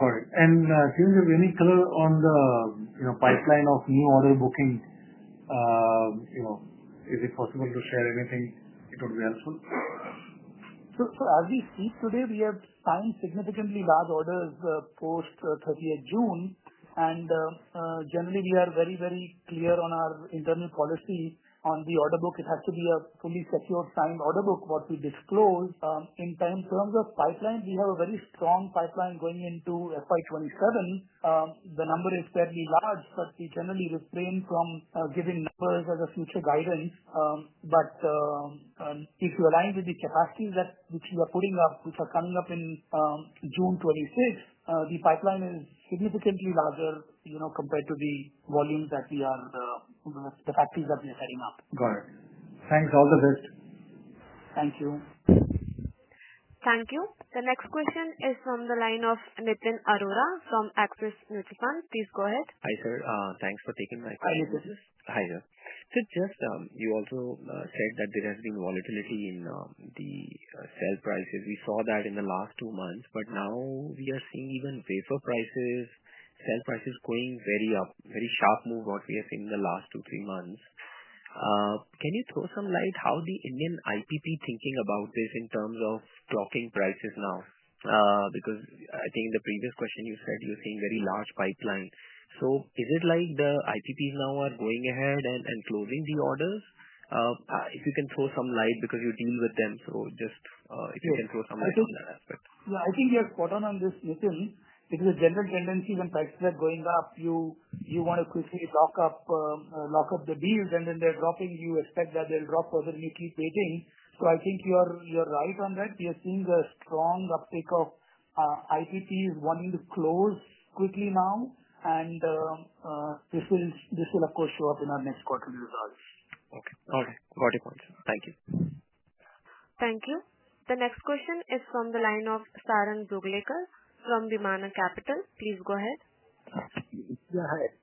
Got it. Can you have any color on the pipeline of new order booking? Is it possible to share anything? It would be helpful. As we speak today, we have signed significantly large orders post 30th June, and we are very, very clear on our internal policy on the order book. It has to be a fully secured, signed order book. What we disclose in terms of pipeline, we have a very strong pipeline going into FY 2027. The number is fairly large. We generally refrain from giving numbers as a future guidance. If you align with the capacities that we are putting up, which are coming up in June 2026, the pipeline is significantly larger compared to the volumes that the factories that we are setting up. Got it. Thanks. All the best. Thank you. Thank you. The next question is from the line of Nitin Arora from Axis Mutual Fund. Please go ahead. Hi sir. Thanks for taking my question. You also said that there has been volatility in the cell prices. We saw that in the last two months. Now we are seeing even wafer prices, cell prices going very up. Very sharp move what we have seen in the last two, three months. Can you throw some light on how the. Indian IPP thinking about this in terms of clocking prices now? Because I think in the previous question you said you're seeing very large pipeline. Is it like the IPPs now are going ahead and closing the orders? If you can throw some light because you deal with them, just if you can throw some. Light on that aspect. I think you are spot on on this, Nitin. Because the general tendency when taxes are going up, you want to quickly lock up the deals, and then they're dropping, you expect that they'll drop further and you keep waiting. I think you're right on that. We are seeing a strong uptake of IPPs wanting to close quickly now. This will of course show up in our next quarterly results. Okay. All right. Got your point, sir. Thank you. Thank you. The next question is from the line of Sarang Joglekar from Vimana Capital. Please go ahead.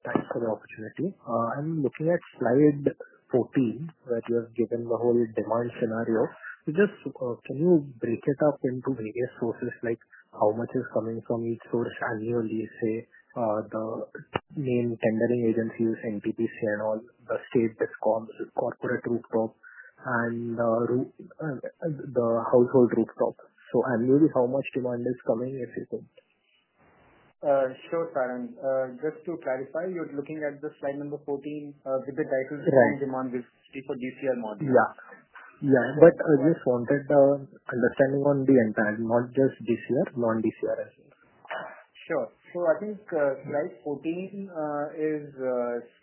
Thanks for the opportunity. I'm looking at slide 14 where you have given the whole demand scenario. Can you break it up into various sources, like how much is coming from each source annually, say the main tendering agencies, NTPC, and all the state discom, corporate rooftop, and the household rooftop? How much demand is coming, if you think? Sure, Sarang. Just to clarify, you're looking at the slide number 14 with the title Demand Visibility for DCR Module. Yeah. Yeah. I just wanted understanding on the entire, not just DCR, non-DCR as well. Sure. I think slide 14 is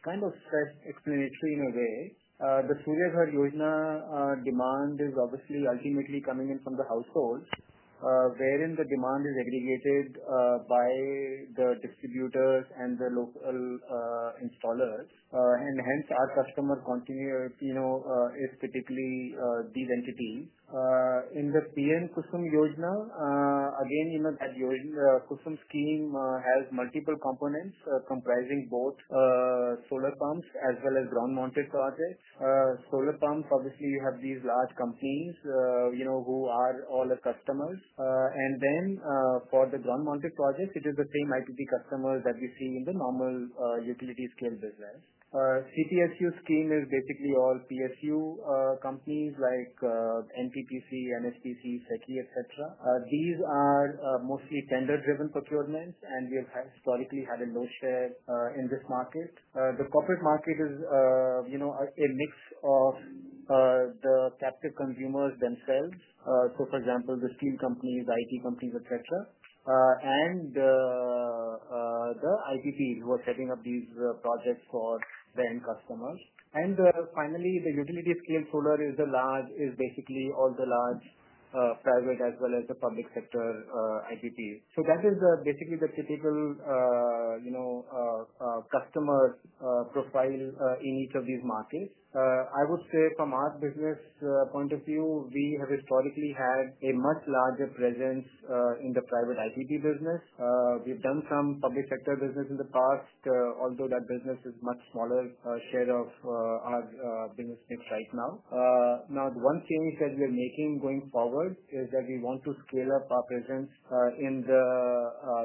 kind of self-explanatory in a way. The Suyoshina demand is obviously ultimately coming from the household wherein the demand is aggregated by the distributors and the local installers. Hence, our customer is typically these entities. In the PM KUSUM Yojana, you know that cutom scheme has multiple components comprising both solar pumps as well as ground mounted projects. Solar pumps obviously have these large companies who are all the customers. For the ground mounted project, it is the same IPP customers that we see in the normal utility scale business. The CPSU scheme is basically all PSU companies like NTPC, NHPC, SECI, et cetera. These are mostly tender-driven procurements and we have historically had a no structure in this market. The corporate market is a mix of the captive consumers themselves, for example the steel companies, IT companies, et cetera, and the IPP who are setting up these projects for the end customers. Finally, the utility scale solar is basically all the large private as well as the public sector. That is basically the typical customer profile in each of these markets. I would say from our business point of view, we have historically had a much larger presence in the private IPP business. We've done some public sector business in the past, although that business is a much smaller share of our business right now. One change that we are making going forward is that we want to scale up our presence in the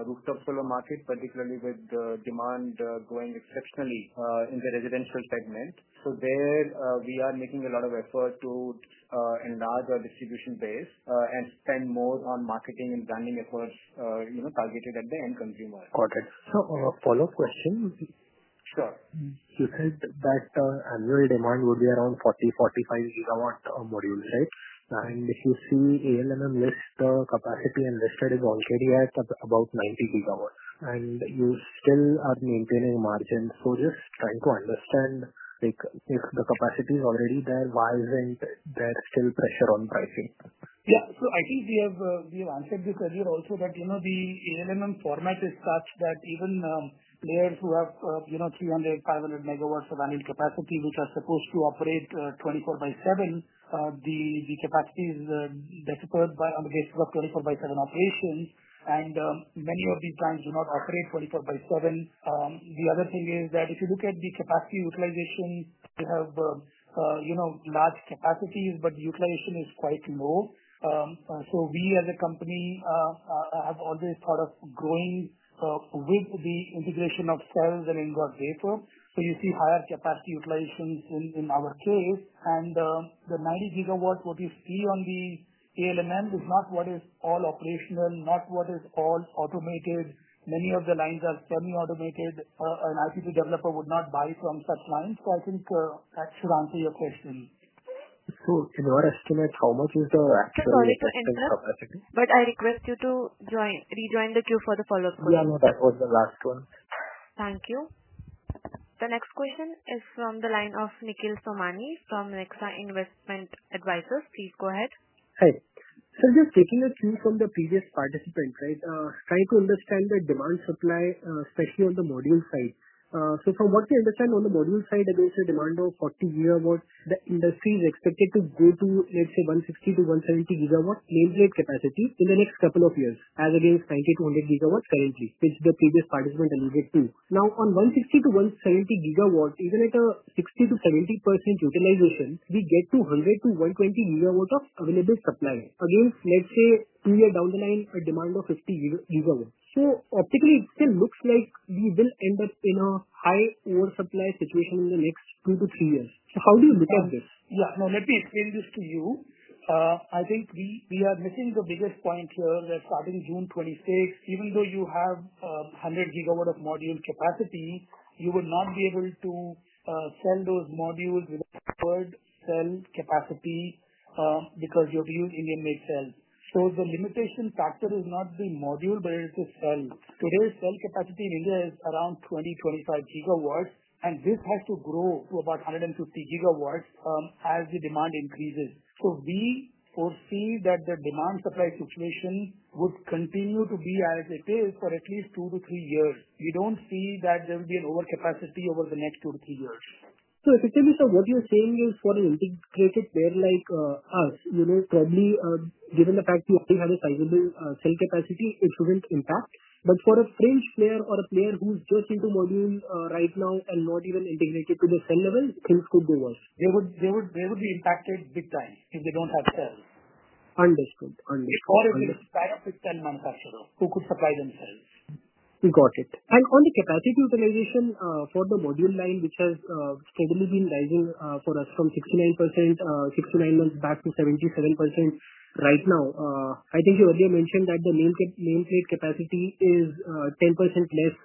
rooftop solar market, particularly with demand going exceptionally in the residential segment. There we are making a lot of effort to enlarge our distribution base and spend more on marketing and branding efforts targeted at the end consumer. Got it. Follow up question. Sure. You said that annual demand would be around 40GW, 45 GW modules. If you see the ALMM the capacity enlisted is already at about 90 GW and you still are maintaining margin. Just trying to understand, if the capacity is already there, why isn't there still pressure on pricing? Yeah, I think we have answered this earlier also that, you know, the ALMM format is such that even players who have 300 MW, 500 MW of annual capacity, which are supposed to operate 24/7, the capacity is on the basis of 24/7 operations. Many of these lines do not operate 24/7. If you look at the capacity utilization, you have large capacities but utilization is quite low. We as a company have always thought of growing with the integration of cells and inwards data. You see higher capacity utilizations in our case and the 90 GW, what you see on the ALMM is not what is all operational, not what is all automated. Many of the lines are semi-automated. An IP developer would not buy from such lines. I think that should answer your question. In your estimate, how much is the. I request you to rejoin the queue for the follow up question. Yeah, no, that was the last one. Thank you. The next question is from the line of Nikhil Somani from Nexa Investment Advisors. Please go ahead. Hi. Just taking a cue from the previous participant, trying to understand the demand-supply, especially on the module side. From what we understand, on the module side there is a demand of 40 GW. The industry is expected to go to, let's say, 160 GW to 170 GW nameplate capacity in the next couple of years as against 92 GW currently, which the previous participant alluded to. Now, on 160 GW to 170 GW, even at a 60% to 70% utilization, we get to 100 GW to 120 GW of available supply. Again, let's say two years down the line, a demand of 50 GW. Optically, it still looks like we will end up in a high oversupply situation in the next two to three years. How do you look at this? Now let me explain this to you. I think we are missing the biggest point here that starting June 26th, even though you have 100 GW of module capacity, you would not be able to sell those modules with a preferred cell capacity because you have used Indian made cells. The limitation factor is not the module, but it is the cell. Today's cell capacity in India is around 20 GW to 25 GW, and this has to grow to about 150 GW as the demand increases. We foresee that the demand supply situation would continue to be as it is for at least two to three years. We don't see that there will be an overcapacity over the next two to three years. Effectively, sir, what you're saying is for an integrated player like us, probably given the fact we have a sizable cell capacity, it shouldn't impact. For a fringe player or a player who's just into module right now and not even integrated at the cell level, things could go worse. They would be impacted big time if they don't have cells. Understood. If we tied up with cell manufacturer who could supply themselves. Got it. On the capacity utilization for the module line, which has steadily been rising for us from 69% nine months back to 77% right now, I think you earlier mentioned that the nameplate capacity is 10% less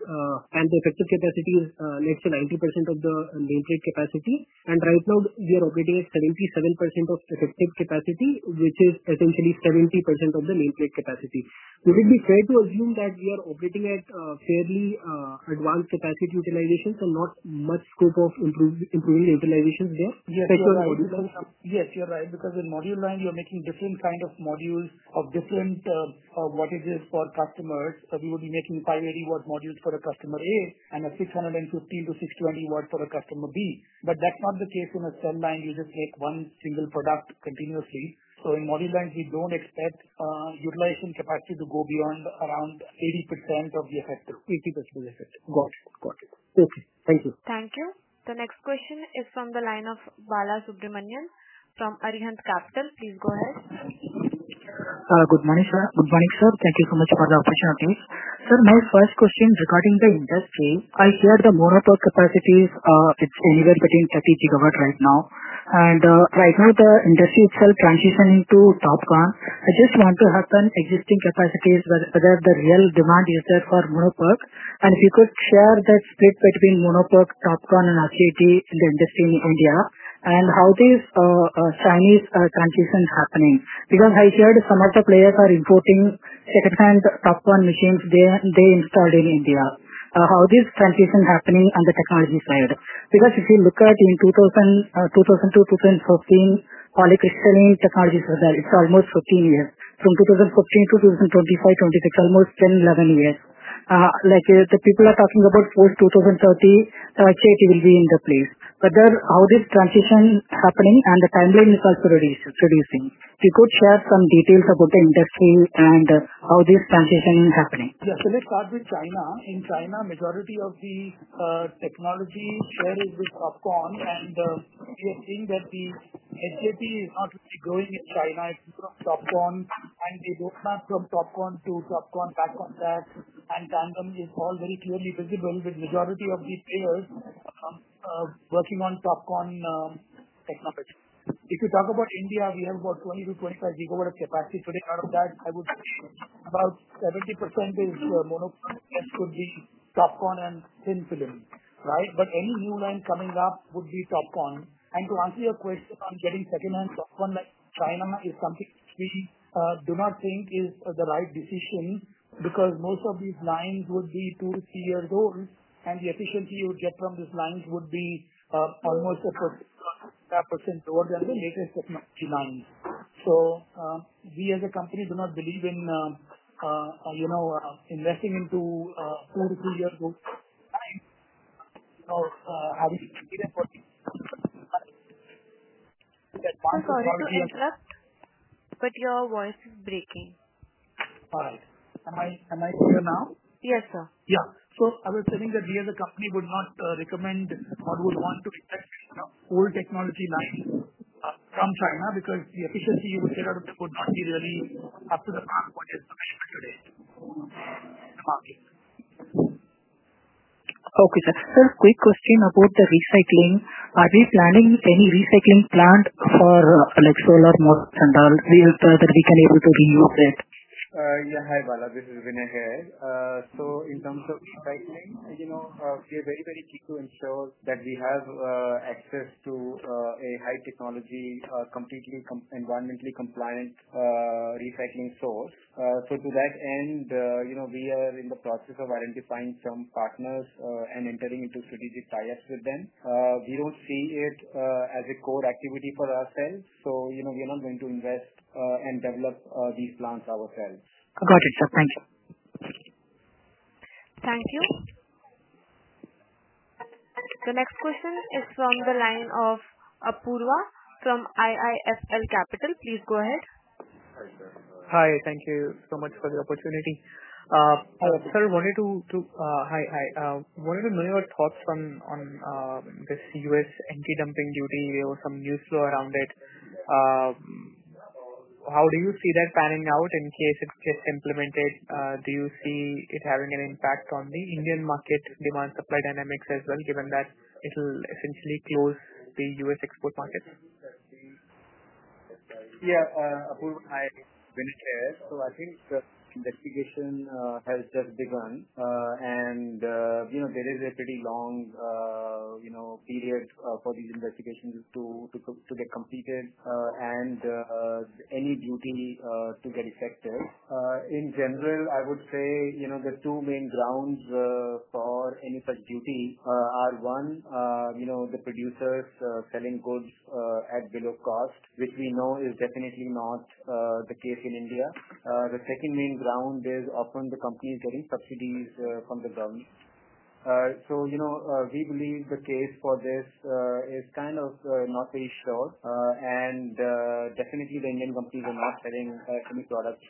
and the effective capacity is, let's say, 90% of that. Right now we are operating at 77% of effective capacity, which is essentially 70% of the nameplate capacity. Would it be fair to assume that we are operating at fairly advanced capacity utilizations and not much scope of improving the utilization there? Yes, you're right because in module line you're making different kind of modules of different wattages for customers. We would be making 580 GW modules for a customer A and a 615 GW-620 GW for a customer B. That's not the case in a cell line. You just make one single product continuously. In module lines we don't expect utilization capacity to go beyond around 80% of the effective, 80% effect. Got it? Got it. Okay, thank you. Thank you. The next question is from the line of Balasubramanian from Arihant Capital. Please go ahead. Good morning sir. Thank you so much for the opportunity. Sir, my first question regarding the industry, I the Mono PERC capacities, it's anywhere between 30 GW right now and right now the industry itself transitioning to TOPCon. I just want to happen existing capacities, whether the real demand is for Mono PERC and if you could share that between Mono PERC, TOPCon and RCIT in the industry in India and how these Chinese transition happening. Because I heard some of the players are importing secondhand TOPCon machines they installed in India. How this transition happening on the technology side? Because if you look at in 2002, 2015 polycrystalline technologies were there. It's almost 15 years from 2015 to 2025, 2026, almost 10, 11 years, like the people are talking about post 2030 kit will be in the place other how this transition happening and the timeline is also reducing. If you could share some details about the industry and how this transition is happening. Yeah. Let's start with China. In China, majority of the technology share is with TOPCon. We are seeing that the SAP is not really growing in China. It's from TOPCon, and they don't map from TOPCon to TOPCon back on that, and Gandham is all very clear, clearly visible with majority of these players working on TOPCon technology. If you talk about India, we have about 20 GW-25 GW of capacity today. Out of that, I would say about 70% is Mono Park could be TOPCon and thin film. Right. Any new line coming up would be TOPCon. To answer your question on getting secondhand TOPCon like China is something we do not think is the right decision because most of these lines would be. Two to three years old and the efficiency you would get from these lines would be almost 0.5% lower than the latest technology lines. We as a company do not believe in, you know, investing into two to three-year-old lines. Sorry to interrupt, but your voice is breaking. All right. Am I clear now? Yes sir. Yeah, I was telling that we as a company would not recommend or would want to protect old technology lines from China, because the efficiency you would get out of the code materially after the measurement today. Okay sir, quick question about the recycling. Are we planning any recycling plant for like solar modules and all that we can able to reuse it. Yeah. Hi Bala, this is Vinay here. In terms of recycling, you know we're very, very keen to ensure that. We have access to a high technology, completely environmentally compliant recycling source. To that end, we are in the process of identifying some partners and entering into strategic ties with them. We don't see it as a core activity for ourselves, so we are not going to invest and develop these plants ourselves. Got it, sir. Thank you. Thank you. The next question is from the line of Apoorva from IIFL Capital. Please go ahead. Hi, thank you so much for the opportunity. Sir, wanted to. Hi. Wanted to know your thoughts on this U.S. anti dumping duty. There was some news flow around it. How do you see that panning out? In case it gets implemented? Do you see it having an impact on the Indian market demand supply dynamics as well, given that it will essentially close the U.S. export markets? Yeah. Hi. Vinay. I think investigation has just begun and there is a pretty long period for these investigations to get completed and any duty to get effective. In general, I would say the two main grounds for any such duty are, one, the producers selling the goods at below cost, which we know is definitely not the case in India. The second main ground is often the companies getting subsidies from the government. We believe the case for this is kind of not very strong. Definitely the Indian companies are not selling any products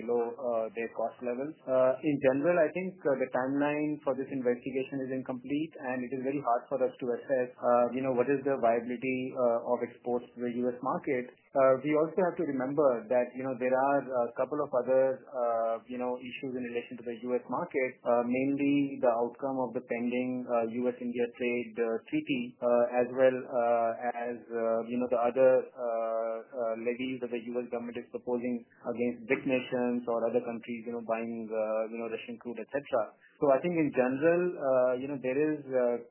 below their cost level. In general, I think the timeline for this investigation is incomplete and it is very hard for us to assess what is the viability of exports to the U.S. market. We also have to remember that there are a couple of other issues in relation to the U.S. market, mainly the outcome of the pending U.S.-India trade treaty as well as the other levies that the U.S. government is proposing against big nations or other countries buying Russian crude, et cetera. In general, there is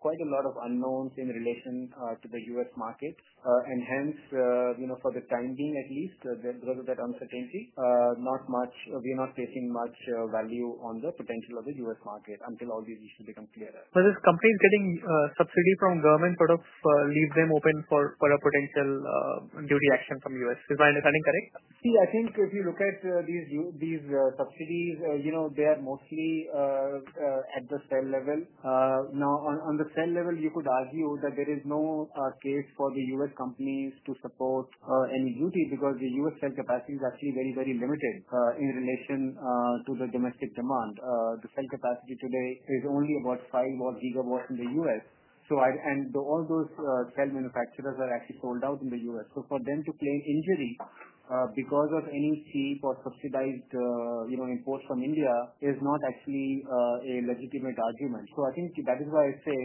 quite a lot of unknowns in relation to the U.S. market. Hence, for the time being at least, because of that uncertainty, we are not placing much value on the potential of the U.S. market until all these issues become clearer. This company is getting subsidy from government, which sort of leaves them open for a potential duty action from U.S. Is my understanding correct? I think if you look at these subsidies, they are mostly at the cell level. Now, on the cell level you could argue that there is no case for the U.S. companies to support any duty because the U.S. cell capacity is actually very, very limited in relation to the domestic demand. The cell capacity today is only about 5 GW in the U.S. and all those cell manufacturers are actually sold out in the U.S., so for them to claim injury because of any cheap or subsidized imports from India is not actually a legitimate argument. I think that is why I say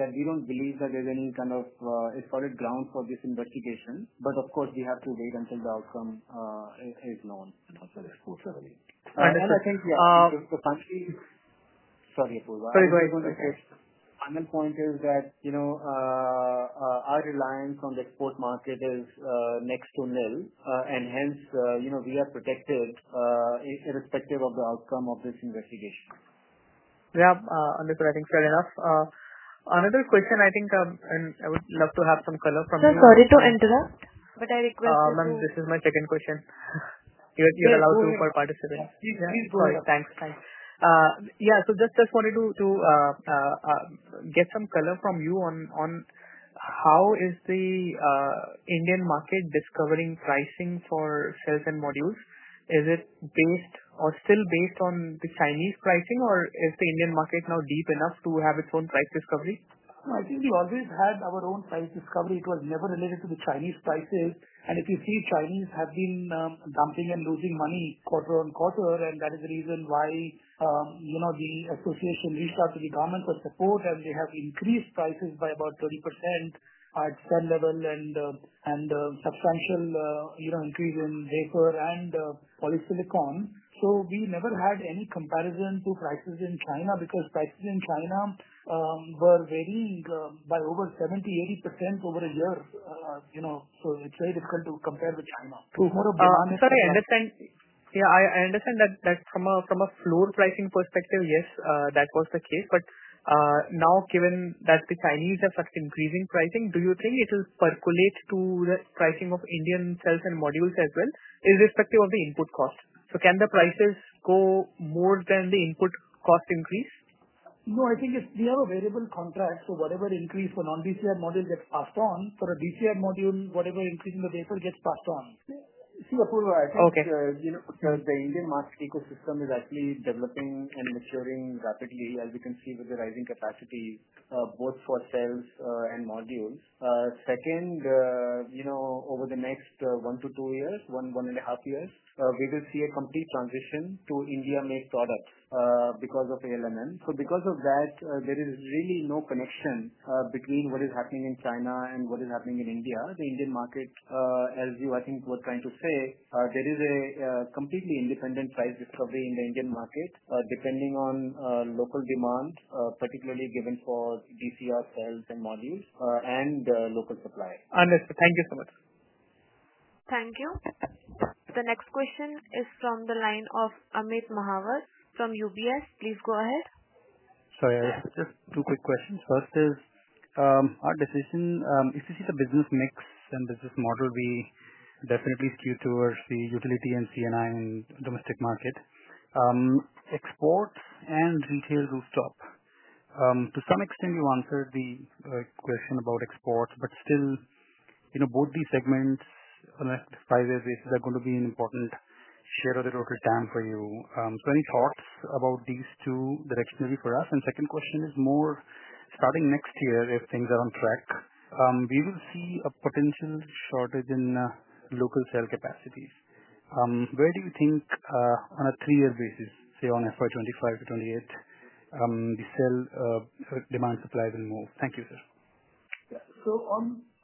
that we don't believe that there's any kind of solid ground for this investigation. Of course, we have to wait until the outcome is known. Final point is that our reliance on the export market is next to nil and hence, we are protected irrespective of the outcome of this investigation. Yeah, understood. I think fair enough. Another question, I think, and I would love to have some color. Sorry to interrupt, but I request. Ma'am, this is my second question. You're allowed two for participants. Please, thanks. Yeah, just wanted to get some color. From you on how is the Indian market discovering pricing for cells and modules? Is it based or still based on the Chinese pricing, or is the Indian market now deep enough to have its own price discovery? I think we always had our own price discovery. It was never related to the Chinese prices. If you see, Chinese have been dumping and losing money quarter on quarter, and that is the reason why the association reached out to the government for support, and they have increased prices by about 30% at cell level and substantial increase in vapor and polysilicon. We never had any comparison to prices in China because prices in China were varying by over 70%-80% over a year. It's very difficult to compare with. Yes, I understand that from a floor pricing perspective, yes, that was the case. Now, given that the Chinese are increasing pricing, do you think it will percolate to the pricing of Indian cells and modules as well, irrespective of the input cost? Can the prices go more than the input cost increase? No, I think if we have a variable contract, whatever increase for non-DCR module gets passed on for a DCR module, whatever increase in the wafer gets passed on. See Apoorva, the Indian markets ecosystem is actually developing and maturing rapidly as you can see with the rising capacities both for cells and modules. Second, over the next one to two years, one, one and a half years, we will see a complete transition to India made products because of ALMM. Because of that, there is really no connection between what is happening in China and what is happening in India. The Indian market, as you I think were trying to say, there is a completely independent price discovery in the Indian market depending on local demand, particularly given for DCR cells and modules and local supply. Thank you so much. Thank you. The next question is from the line of Amit Mahawar from UBS. Please go ahead. Sorry, just two quick questions. First is our decision. If you see the business mix and business model, we definitely skew towards the utility and CNI in domestic market exports and retail, rooftop. To some extent you answered the question about exports, but still both these segments on a five year basis, that's going to be an important share of the total TAM for you. Any thoughts about these two direction for us? Second question is more, starting next year, if things are on track, we will see a potential shortage in local cell capacities. Where do you think on a three year basis, say on FY 2025 to FY 2028, the cell demand supply will move? Thank you.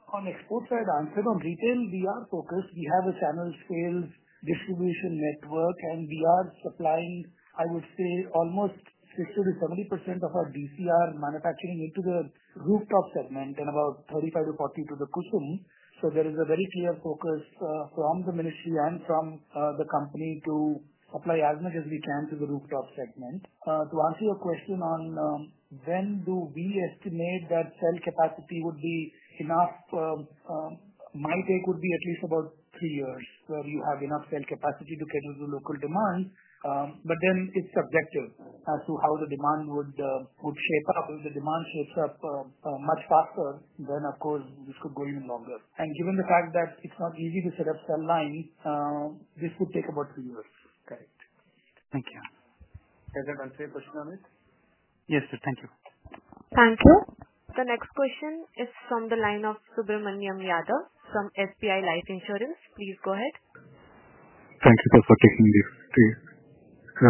On the export side, answer on retail, we are focused. We have a channel sales distribution network, and we are supplying, I would say, almost 60%-70% of our DCR manufacturing into the rooftop segment and about 35%-40% to the cushion. There is a very clear focus from the ministry and from the company to apply as much as we can to the rooftop segment. To answer your question on when do we estimate that cell capacity would be enough, my take would be at least about three years where you have enough cell capacity to cater to local demand. It is subjective as to how the demand would shape up. If the demand shapes up much faster, then of course this could go even longer. Given the fact that it's not easy to set up cell lines, this would take about two years. Correct. Thank you. Does that answer your question on it? Yes, sir. Thank you. Thank you. The next question is from the line of Subramaniam Yadav from SBI Life Insurance. Please go ahead. Thank you, sir, for taking this. Thank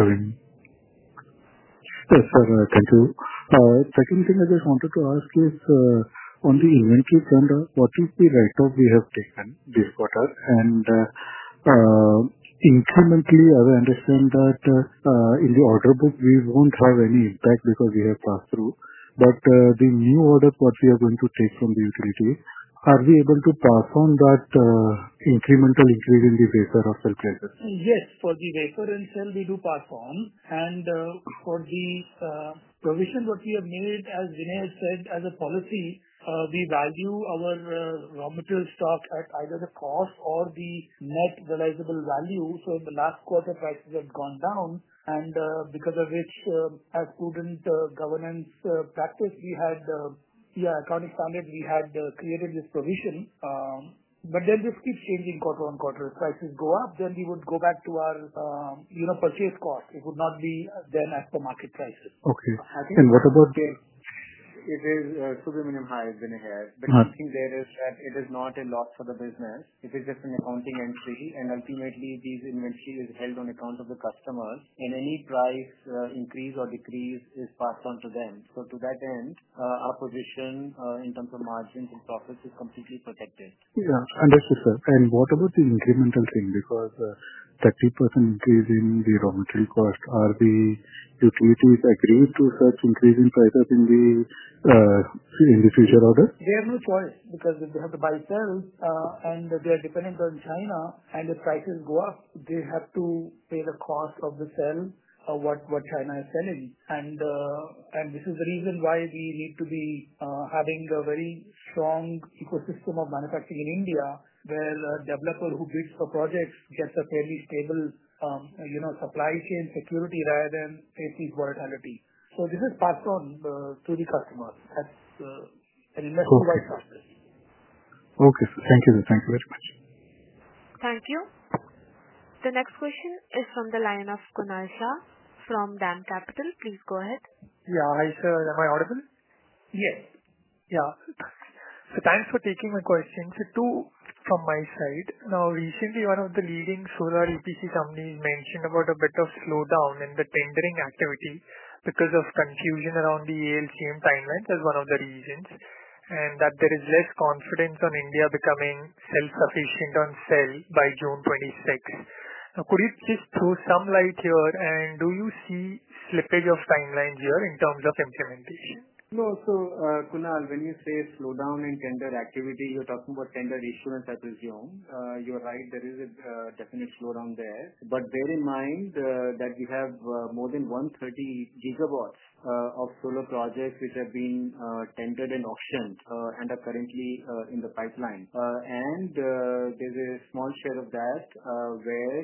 you. Second thing, I just wanted to ask is on the inventory front, what is the write-off we have taken this quarter, and incrementally, as I understand that in the order book we won't have any impact because we have pass through. For the new order, what we are going to take from the utility, are we able to pass on that incremental increase in the wafer of the prices. Yes, for the wafer and cell we do pass on. For the provision we have made, as Vinay said, as a policy, we value our raw material stock at either the cost or the net realizable value. In the last quarter, prices have gone down, which is why, as a prudent governance practice and accounting standards, we created this provision. This keeps changing quarter on quarter. If prices go up, we would go back to our purchase cost. It would not be at the market prices. Okay, and what about it is super minim high? There is nothing there that is a lot for the business. It is just an accounting entry. Ultimately, this inventory is held on account of the customers and any price increase or decrease is passed on to them. To that end, our position in terms of margins and profits is completely protected. Yeah, understood sir. What about the incremental thing? Because 30% increase in the raw material cost, are the utilities agreed to such increasing price up in the future if this? They have no choice. Because they have to buy cells and they are dependent on China. If prices go up, they have to pay the cost of the cell that China is selling. This is the reason why we need to be having a very strong ecosystem of manufacturing in India, where a developer who bids for projects gets a fairly stable supply chain security rather than faces volatility. This is passed on to the customer. Okay, thank you. Thank you very much. Thank you. The next question is from the line of Kunal Shah from DAM Capital. Please go ahead. Yeah, hi sir. Am I audible? Yes. Yeah, thanks for taking my question. Two from my side. Now, recently one of the leading solar EPC companies mentioned about a bit of slowdown in the tendering activity because of confusion around the ALMM timeline as one of the reasons, and that there is less confidence on India becoming self-sufficient on cell by June 26th. Could you just throw some light here, and do you see slippage of timelines here in terms of implementation? No. Kunal, when you say slowdown in tender activity, you are talking about tender activities issuance. I presume you're right, there is a definite slowdown there. Bear in mind that we have more than 130 GW of solar projects which have been tendered and auctioned and are currently in the pipeline. There's a small share of that where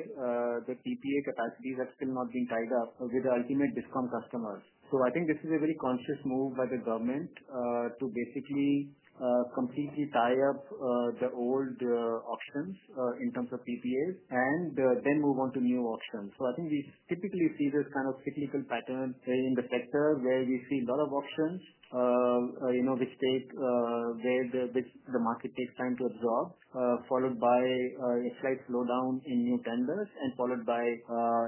the PPA capacities have still not been tied up with the ultimate discom customers. I think this is a very conscious move by the government to basically completely tie up the old auctions in terms of PPAs and then move on to new auctions. We typically see this kind of cyclical pattern in the sector where we see a lot of auctions which the market takes time to absorb, followed by a slight slowdown in new tenders and followed by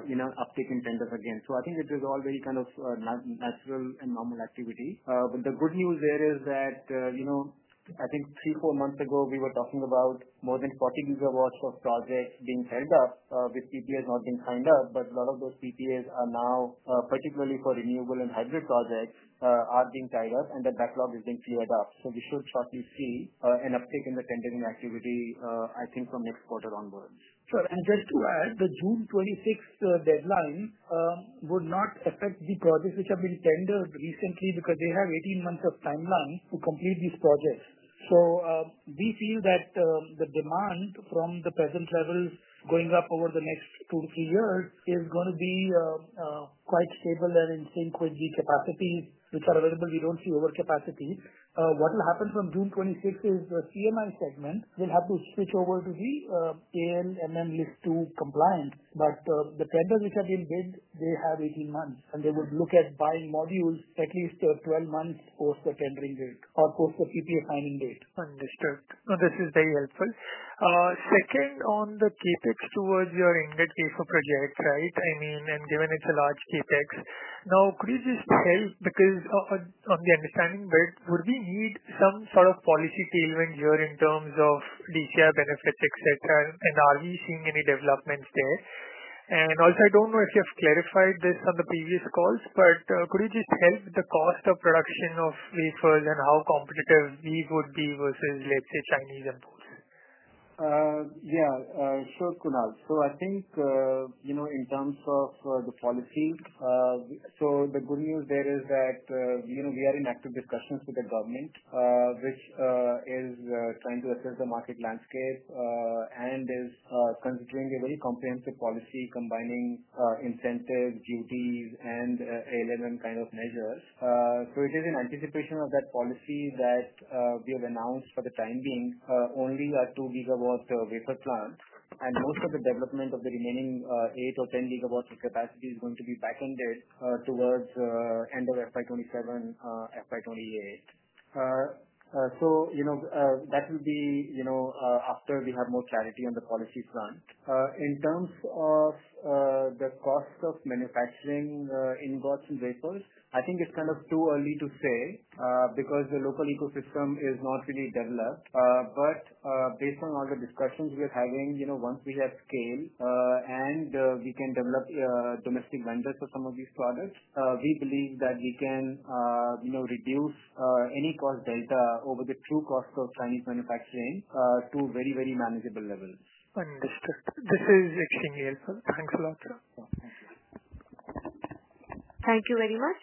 an uptick in tenders again. I think it is all very kind of natural and normal activity. The good news there is that I think three, four months ago we were talking about more than 40 GW of projects being held up with PPAs not being signed up. A lot of those PPAs are now, particularly for renewable and hybrid projects, being tied up and the backlog is being cleared up. We should shortly see an uptick in the tendering activity, I think, from next quarter onward. Just to add, the June 26th deadline would not affect the projects which have been tendered recently because they have 18 months of timeline to complete these projects. We feel that the demand from the present levels going up over the next two to three years is going to be quite stable and in sync with the capacities which are available. We don't see overcapacity. What will happen from June 26th is the CMI segment. They'll have to switch over to the ALMM list to compliance. The tenders which have been bid have 18 months and they would look at buying modules at least 12 months post the tendering date or post the PPA signing date. Understood. This is very helpful. Second, on the CapEx towards your ended pay for project. Right. Given it's a large CapEx now, could you just help? Because on the understanding bit, would we need some sort of policy tailwind here in terms of DCR benefits, et cetera, and are we seeing any developments there? Also, I don't know if you have clarified this on the previous calls, but could you just help the cost of production of wafers and how competitive these would be versus, let's say, Chinese imports? Yeah, sure, Kunal. I think in terms of the policy, the good news there is that we are in active discussions with the government, which is trying to assess the market landscape and is considering a very comprehensive policy combining incentives, duties, and ALMM kind of measures. It is in anticipation of that policy that we have announced, for the time being, only a 2 GW wafer plant, and most of the development of the remaining 8 GGW or 10 GW capacity is going to be back ended towards the end of FY 2027, FY 2028. That will be after we have more clarity on the policy front. In terms of the cost of manufacturing ingots and wafers, I think it's kind of too early to say because the local ecosystem is not really developed. Based on all the discussions we have had, once we have scale and we can develop domestic vendors for some of these products, we believe that we can reduce any cost delta over the true cost of Chinese manufacturing to a very, very manageable level. This is extremely helpful. Thanks a lot, sir. Thank you very much.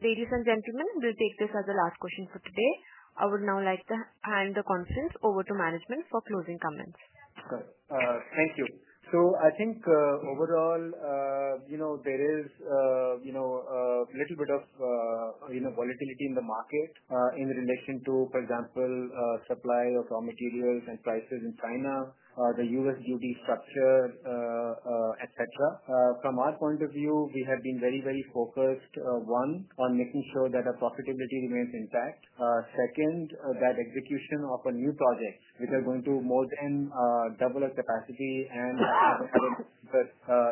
Ladies and gentlemen, we'll take this as the last question for today. I would now like to hand the conference over to management for closing comments. Thank you. I think overall there is a little bit of volatility in the market in relation to, for example, supply of raw materials and prices in China, the U.S. duty structure, et cetera. From our point of view, we have been very, very focused, one, on making sure that our profitability remains intact. Second, that execution of a new project which is going to more than double our capacity and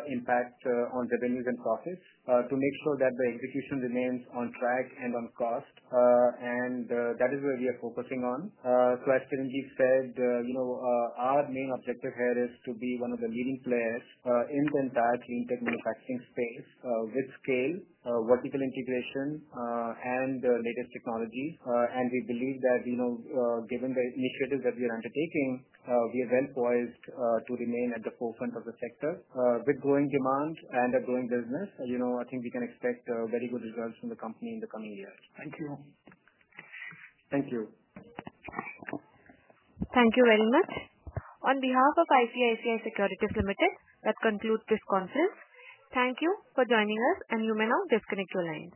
impact on revenues and profits to make sure that the execution remains on track and on cost. That is where we are focusing on. As said, our main objective here is to be one of the leading players in the entire manufacturing space with scale, vertical integration, and latest technology. We believe that given the initiatives that we are undertaking, we are well poised to remain at the forefront of the sector. With growing demand and a growing business, I think we can expect very good results from the company in the coming years. Thank you all. Thank you. Thank you very much on behalf of ICICI Securities Limited, that concludes this conference. Thank you for joining us, and you may now disconnect your lines.